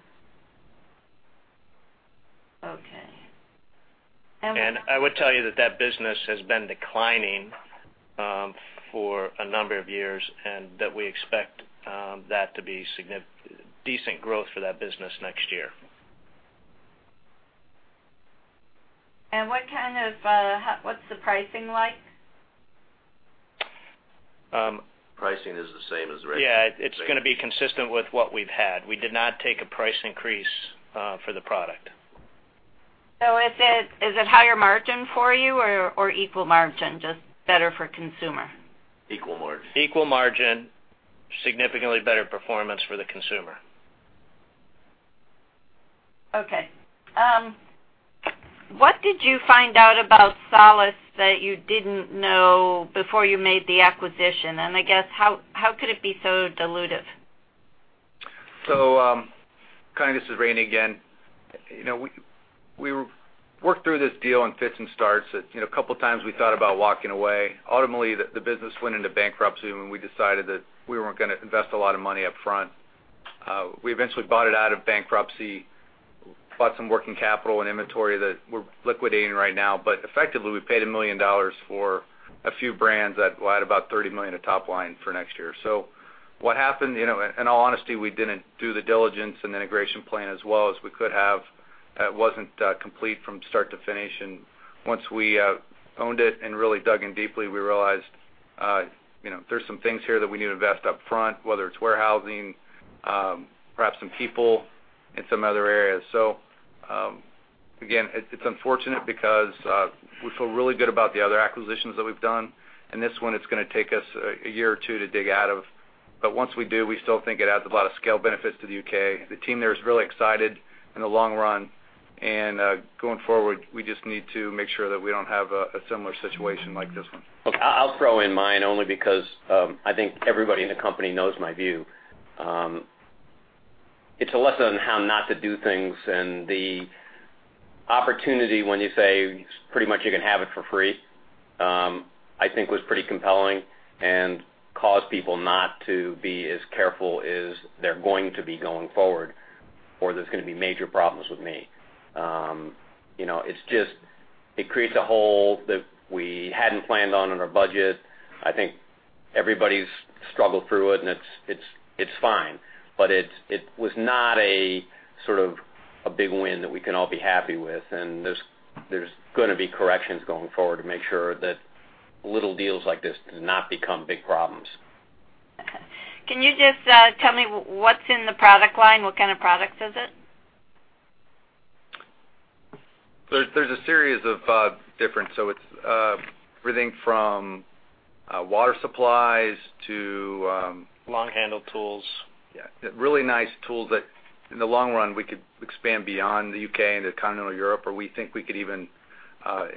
Okay. I would tell you that business has been declining for a number of years, and that we expect that to be decent growth for that business next year. What's the pricing like? Pricing is the same as the regular. Yeah, it's going to be consistent with what we've had. We did not take a price increase for the product. Is it higher margin for you or equal margin, just better for consumer? Equal margin. Equal margin, significantly better performance for the consumer. Okay. What did you find out about Solus that you didn't know before you made the acquisition? I guess, how could it be so dilutive? Connie, this is Randy again. We worked through this deal in fits and starts. A couple of times we thought about walking away. Ultimately, the business went into bankruptcy, and we decided that we weren't going to invest a lot of money up front. We eventually bought it out of bankruptcy, bought some working capital and inventory that we're liquidating right now. Effectively, we paid $1 million for a few brands that will add about $30 million of top line for next year. What happened, in all honesty, we didn't do the diligence and integration plan as well as we could have. It wasn't complete from start to finish. Once we owned it and really dug in deeply, we realized there's some things here that we need to invest up front, whether it's warehousing, perhaps some people in some other areas. Again, it's unfortunate because we feel really good about the other acquisitions that we've done, and this one, it's going to take us a year or two to dig out of. Once we do, we still think it adds a lot of scale benefits to the U.K. The team there is really excited in the long run. Going forward, we just need to make sure that we don't have a similar situation like this one. I'll throw in mine only because I think everybody in the company knows my view. It's a lesson on how not to do things. The opportunity when you say pretty much you can have it for free, I think, was pretty compelling and caused people not to be as careful as they're going to be going forward, or there's going to be major problems with me. It creates a hole that we hadn't planned on in our budget. I think everybody's struggled through it, and it's fine. It was not a big win that we can all be happy with. There's going to be corrections going forward to make sure that little deals like this do not become big problems. Okay. Can you just tell me what's in the product line? What kind of products is it? There's a series of different. It's everything from water supplies to- Long-handled tools. Yeah. Really nice tools that in the long run, we could expand beyond the U.K. into continental Europe, or we think we could even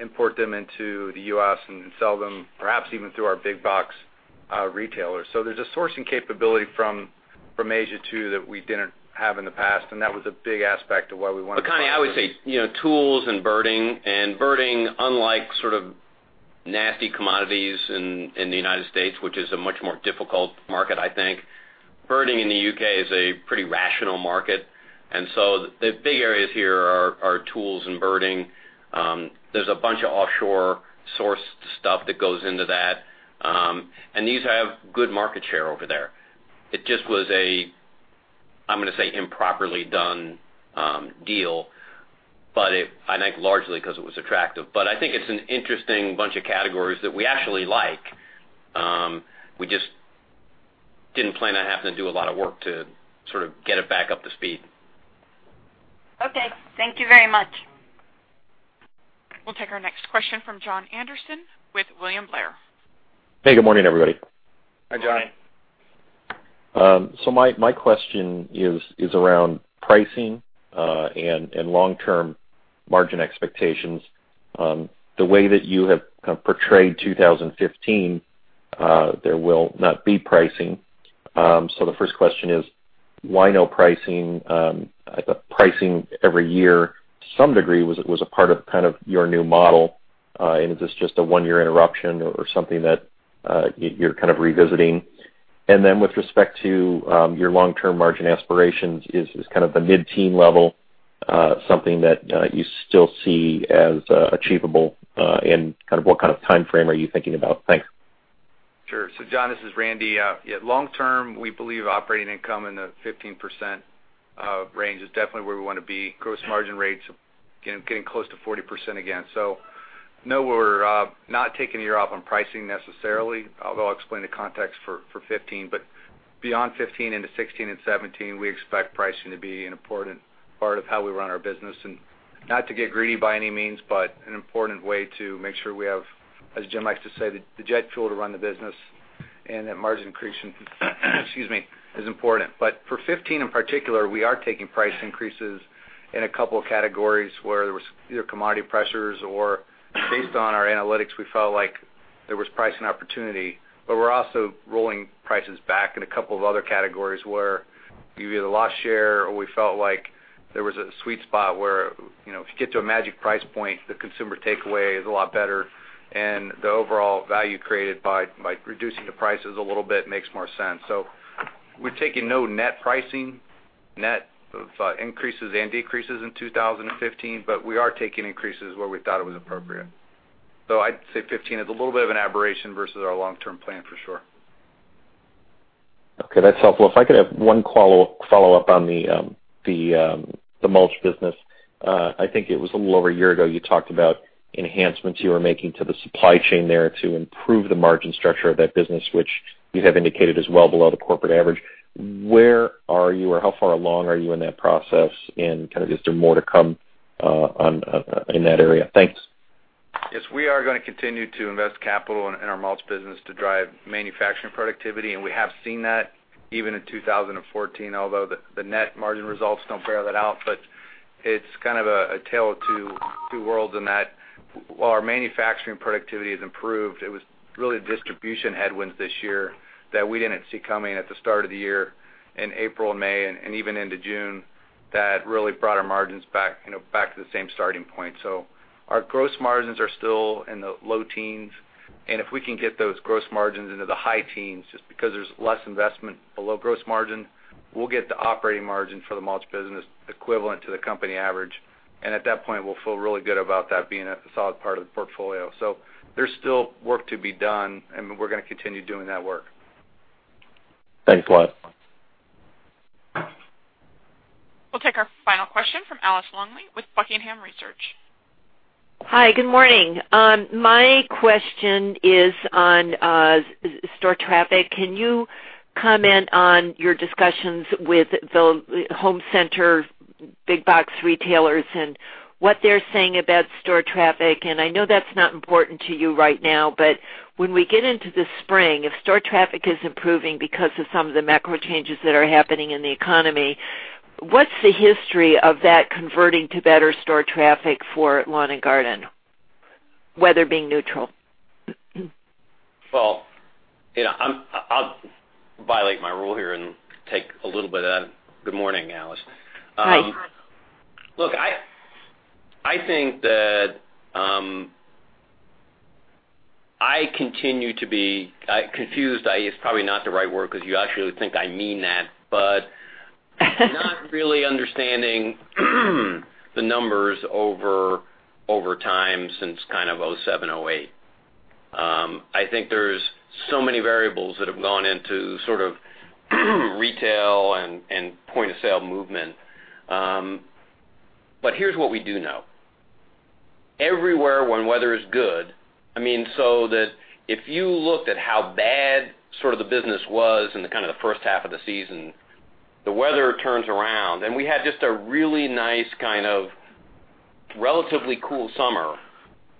import them into the U.S. and sell them, perhaps even through our big box retailers. There's a sourcing capability from Asia too that we didn't have in the past, and that was a big aspect of why we wanted to buy. Connie, I would say tools and birding. Birding, unlike sort of nasty commodities in the United States, which is a much more difficult market, I think. Birding in the U.K. is a pretty rational market, and so the big areas here are tools and birding. There's a bunch of offshore sourced stuff that goes into that. These have good market share over there. It just was a, I'm going to say, improperly done deal. I think largely because it was attractive. I think it's an interesting bunch of categories that we actually like. We just didn't plan on having to do a lot of work to sort of get it back up to speed. Okay. Thank you very much. We'll take our next question from Jon Andersen with William Blair. Hey, good morning, everybody. Hi, John. My question is around pricing, and long-term margin expectations. The way that you have kind of portrayed 2015, there will not be pricing. The first question is why no pricing? I thought pricing every year to some degree was a part of kind of your new model. Is this just a one-year interruption or something that you're kind of revisiting? Then with respect to your long-term margin aspirations, is kind of the mid-teen level something that you still see as achievable? What kind of timeframe are you thinking about? Thanks. Sure. John, this is Randy. Yeah, long term, we believe operating income in the 15% range is definitely where we want to be. Gross margin rates, getting close to 40% again. No, we're not taking a year off on pricing necessarily, although I'll explain the context for '15. Beyond '15 into '16 and '17, we expect pricing to be an important part of how we run our business. Not to get greedy by any means, but an important way to make sure we have, as Jim likes to say, the jet fuel to run the business and that margin increase is important. For '15 in particular, we are taking price increases in a couple of categories where there was either commodity pressures or based on our analytics, we felt like there was pricing opportunity. We're also rolling prices back in a couple of other categories where we either lost share or we felt like there was a sweet spot where if you get to a magic price point, the consumer takeaway is a lot better and the overall value created by reducing the prices a little bit makes more sense. We're taking no net pricing, net increases and decreases in 2015, but we are taking increases where we thought it was appropriate. I'd say '15 is a little bit of an aberration versus our long-term plan for sure. Okay, that's helpful. If I could have one follow-up on the mulch business. I think it was a little over a year ago, you talked about enhancements you were making to the supply chain there to improve the margin structure of that business, which you have indicated is well below the corporate average. Where are you or how far along are you in that process? Kind of is there more to come in that area? Thanks. Yes, we are going to continue to invest capital in our mulch business to drive manufacturing productivity and we have seen that even in 2014 although the net margin results don't bear that out. It's kind of a tale of two worlds in that while our manufacturing productivity has improved, it was really distribution headwinds this year that we didn't see coming at the start of the year in April and May and even into June that really brought our margins back to the same starting point. Our gross margins are still in the low teens and if we can get those gross margins into the high teens just because there's less investment below gross margin, we'll get the operating margin for the mulch business equivalent to the company average and at that point we'll feel really good about that being a solid part of the portfolio. There's still work to be done and we're going to continue doing that work. Thanks a lot. We'll take our final question from Alice Longley with Buckingham Research. Hi, good morning. My question is on store traffic. Can you comment on your discussions with the home center big box retailers and what they're saying about store traffic? I know that's not important to you right now, but when we get into the spring, if store traffic is improving because of some of the macro changes that are happening in the economy, what's the history of that converting to better store traffic for Lawn & Garden, weather being neutral? Well, I'll violate my rule here and take a little bit of that. Good morning, Alice. Hi. Look, I think that I continue to be confused. It's probably not the right word because you actually think I mean that, not really understanding the numbers over time since kind of 2007, 2008. I think there's so many variables that have gone into sort of retail and point-of-sale movement. Here's what we do know. Everywhere when weather is good, I mean so that if you looked at how bad sort of the business was in the kind of the first half of the season, the weather turns around and we had just a really nice kind of relatively cool summer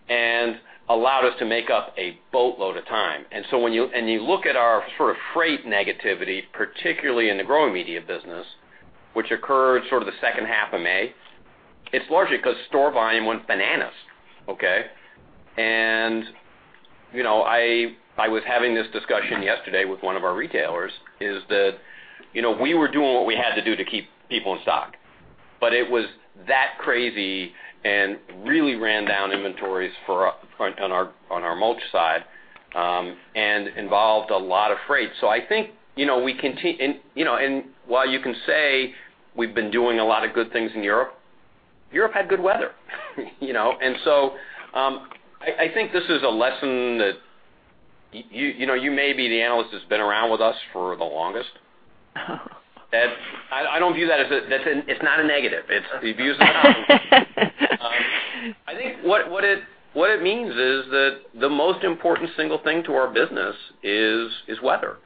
and allowed us to make up a boatload of time. When you look at our sort of freight negativity, particularly in the growing media business, which occurred sort of the second half of May, it's largely because store volume went bananas. Okay? I was having this discussion yesterday with one of our retailers, is that we were doing what we had to do to keep people in stock. It was that crazy and really ran down inventories on our mulch side and involved a lot of freight. I think while you can say we've been doing a lot of good things in Europe Europe had good weather. I think this is a lesson that you may be the analyst that's been around with us for the longest. I don't view that as. It's not a negative. I think what it means is that the most important single thing to our business is weather.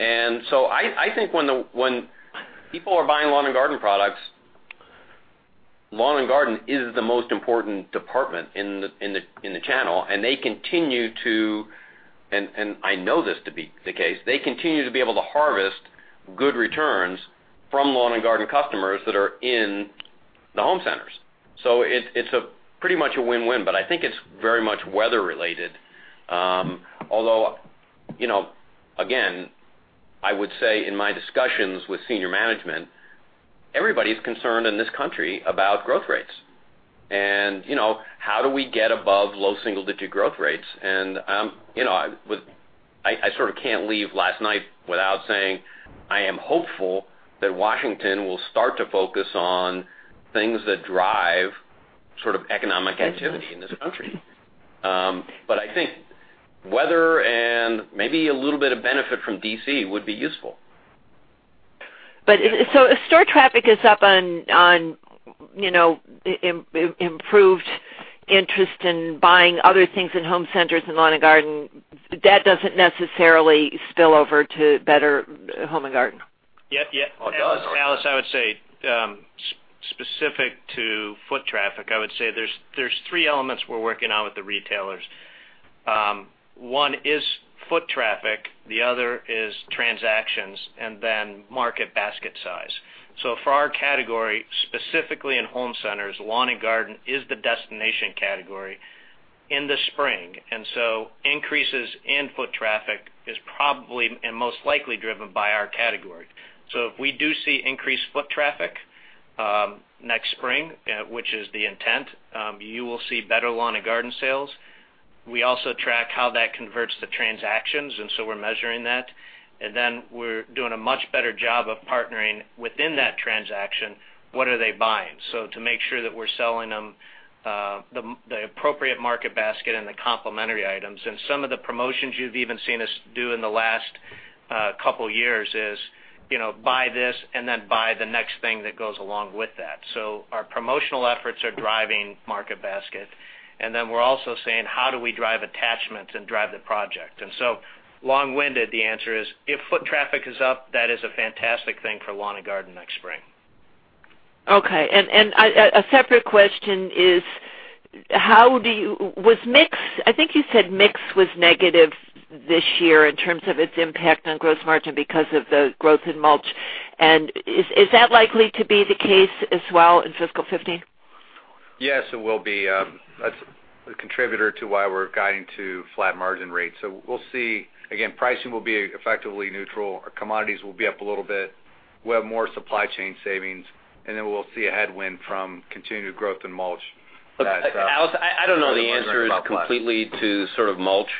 I think when people are buying lawn and garden products, lawn and garden is the most important department in the channel, and they continue to I know this to be the case. They continue to be able to harvest good returns from lawn and garden customers that are in the home centers. It's pretty much a win-win, but I think it's very much weather related. Although, again, I would say in my discussions with senior management, everybody's concerned in this country about growth rates, and how do we get above low single-digit growth rates. I sort of can't leave last night without saying I am hopeful that Washington will start to focus on things that drive sort of economic activity in this country. I think weather and maybe a little bit of benefit from D.C. would be useful. If store traffic is up on improved interest in buying other things in home centers and lawn and garden, that doesn't necessarily spill over to better home and garden. Yep. Oh, it does. Alice, I would say, specific to foot traffic, there's three elements we're working on with the retailers. One is foot traffic, the other is transactions, and then market basket size. For our category, specifically in home centers, lawn and garden is the destination category in the spring. Increases in foot traffic is probably and most likely driven by our category. If we do see increased foot traffic, next spring, which is the intent, you will see better lawn and garden sales. We also track how that converts to transactions, we're measuring that. Then we're doing a much better job of partnering within that transaction, what are they buying? To make sure that we're selling them the appropriate market basket and the complementary items. Some of the promotions you've even seen us do in the last couple years is buy this and then buy the next thing that goes along with that. Our promotional efforts are driving market basket. Then we're also saying, how do we drive attachments and drive the project? Long-winded, the answer is, if foot traffic is up, that is a fantastic thing for lawn and garden next spring. Okay. A separate question is, I think you said mix was negative this year in terms of its impact on gross margin because of the growth in mulch. Is that likely to be the case as well in fiscal 2015? Yes, it will be. That's a contributor to why we're guiding to flat margin rates. We'll see. Again, pricing will be effectively neutral. Our commodities will be up a little bit. We'll have more supply chain savings, and then we'll see a headwind from continued growth in mulch that- Alice, I don't know the answer completely to sort of mulch.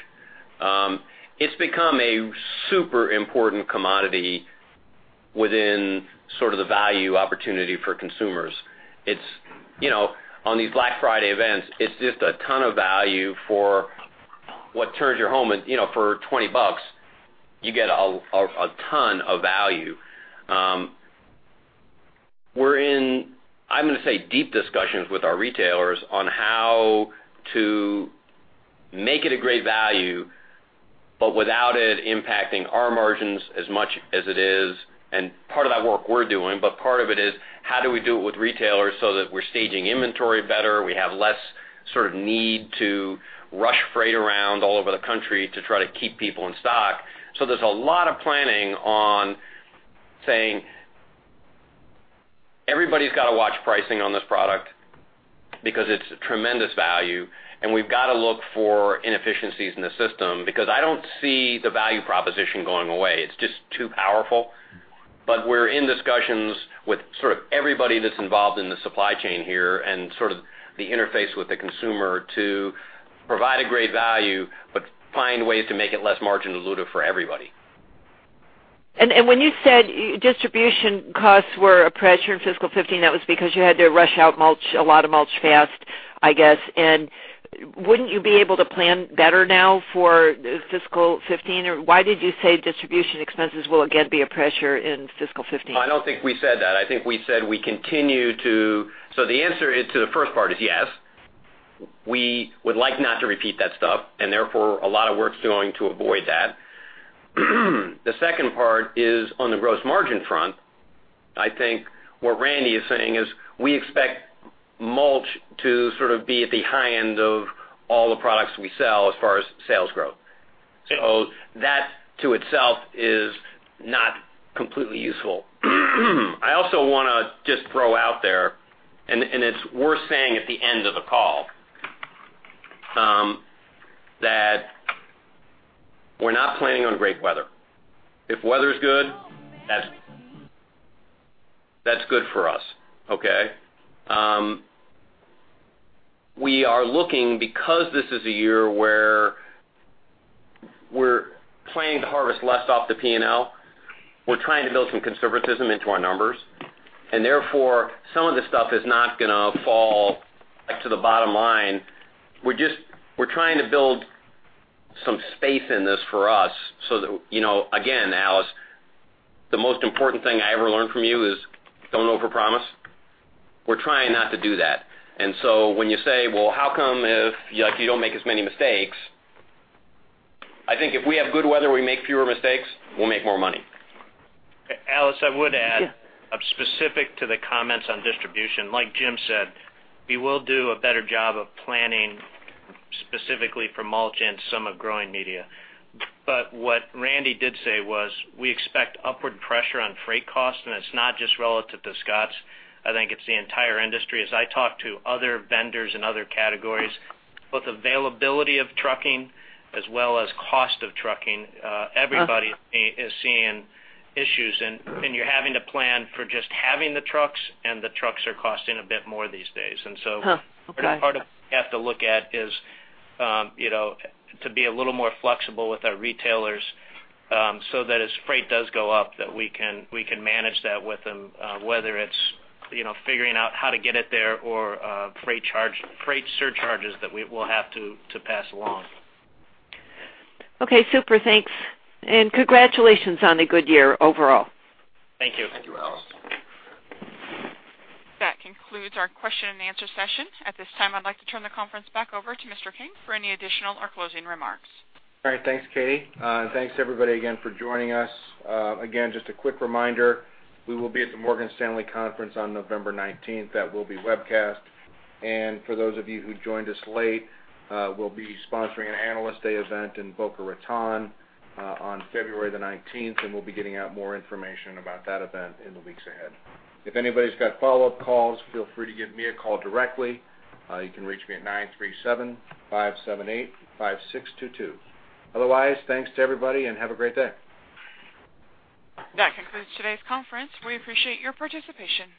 It's become a super important commodity within sort of the value opportunity for consumers. On these Black Friday events, it's just a ton of value for what turns your home For $20, you get a ton of value. We're in, I'm going to say, deep discussions with our retailers on how to make it a great value, but without it impacting our margins as much as it is. Part of that work we're doing, but part of it is how do we do it with retailers so that we're staging inventory better, we have less sort of need to rush freight around all over the country to try to keep people in stock. There's a lot of planning on saying everybody's got to watch pricing on this product because it's a tremendous value, and we've got to look for inefficiencies in the system because I don't see the value proposition going away. It's just too powerful. We're in discussions with sort of everybody that's involved in the supply chain here and sort of the interface with the consumer to provide a great value, but find ways to make it less margin dilutive for everybody. When you said distribution costs were a pressure in fiscal 2015, that was because you had to rush out a lot of mulch fast, I guess. Wouldn't you be able to plan better now for fiscal 2015? Why did you say distribution expenses will again be a pressure in fiscal 2015? I don't think we said that. I think we said. The answer is, to the first part is yes. We would like not to repeat that stuff. Therefore, a lot of work's going to avoid that. The second part is on the gross margin front. I think what Randy is saying is we expect mulch to sort of be at the high end of all the products we sell as far as sales growth. That to itself is not completely useful. I also want to just throw out there. It's worth saying at the end of the call that we're not planning on great weather. If weather's good, that's good for us, okay? We are looking because this is a year where we're planning to harvest less off the P&L. We're trying to build some conservatism into our numbers. Therefore, some of the stuff is not going to fall to the bottom line. We're trying to build some space in this for us so that, again, Alice, the most important thing I ever learned from you is don't overpromise. We're trying not to do that. When you say, "Well, how come if you don't make as many mistakes?" I think if we have good weather, we make fewer mistakes, we'll make more money. Alice, I would add specific to the comments on distribution. Like Jim said, we will do a better job of planning specifically for mulch and some of growing media. What Randy did say was we expect upward pressure on freight costs. It's not just relative to Scotts. I think it's the entire industry. As I talk to other vendors in other categories, both availability of trucking as well as cost of trucking, everybody is seeing issues. You're having to plan for just having the trucks, and the trucks are costing a bit more these days. Okay. Part of what we have to look at is to be a little more flexible with our retailers so that as freight does go up, that we can manage that with them, whether it's figuring out how to get it there or freight surcharges that we will have to pass along. Okay, super. Thanks. Congratulations on a good year overall. Thank you. Thank you, Alice. That concludes our question and answer session. At this time, I'd like to turn the conference back over to Mr. King for any additional or closing remarks. Thanks, Katie. Thanks everybody again for joining us. Again, just a quick reminder, we will be at the Morgan Stanley conference on November 19th. That will be webcast. For those of you who joined us late, we'll be sponsoring an Analyst Day event in Boca Raton on February the 19th, and we'll be getting out more information about that event in the weeks ahead. If anybody's got follow-up calls, feel free to give me a call directly. You can reach me at 937-578-5622. Otherwise, thanks to everybody and have a great day. That concludes today's conference. We appreciate your participation.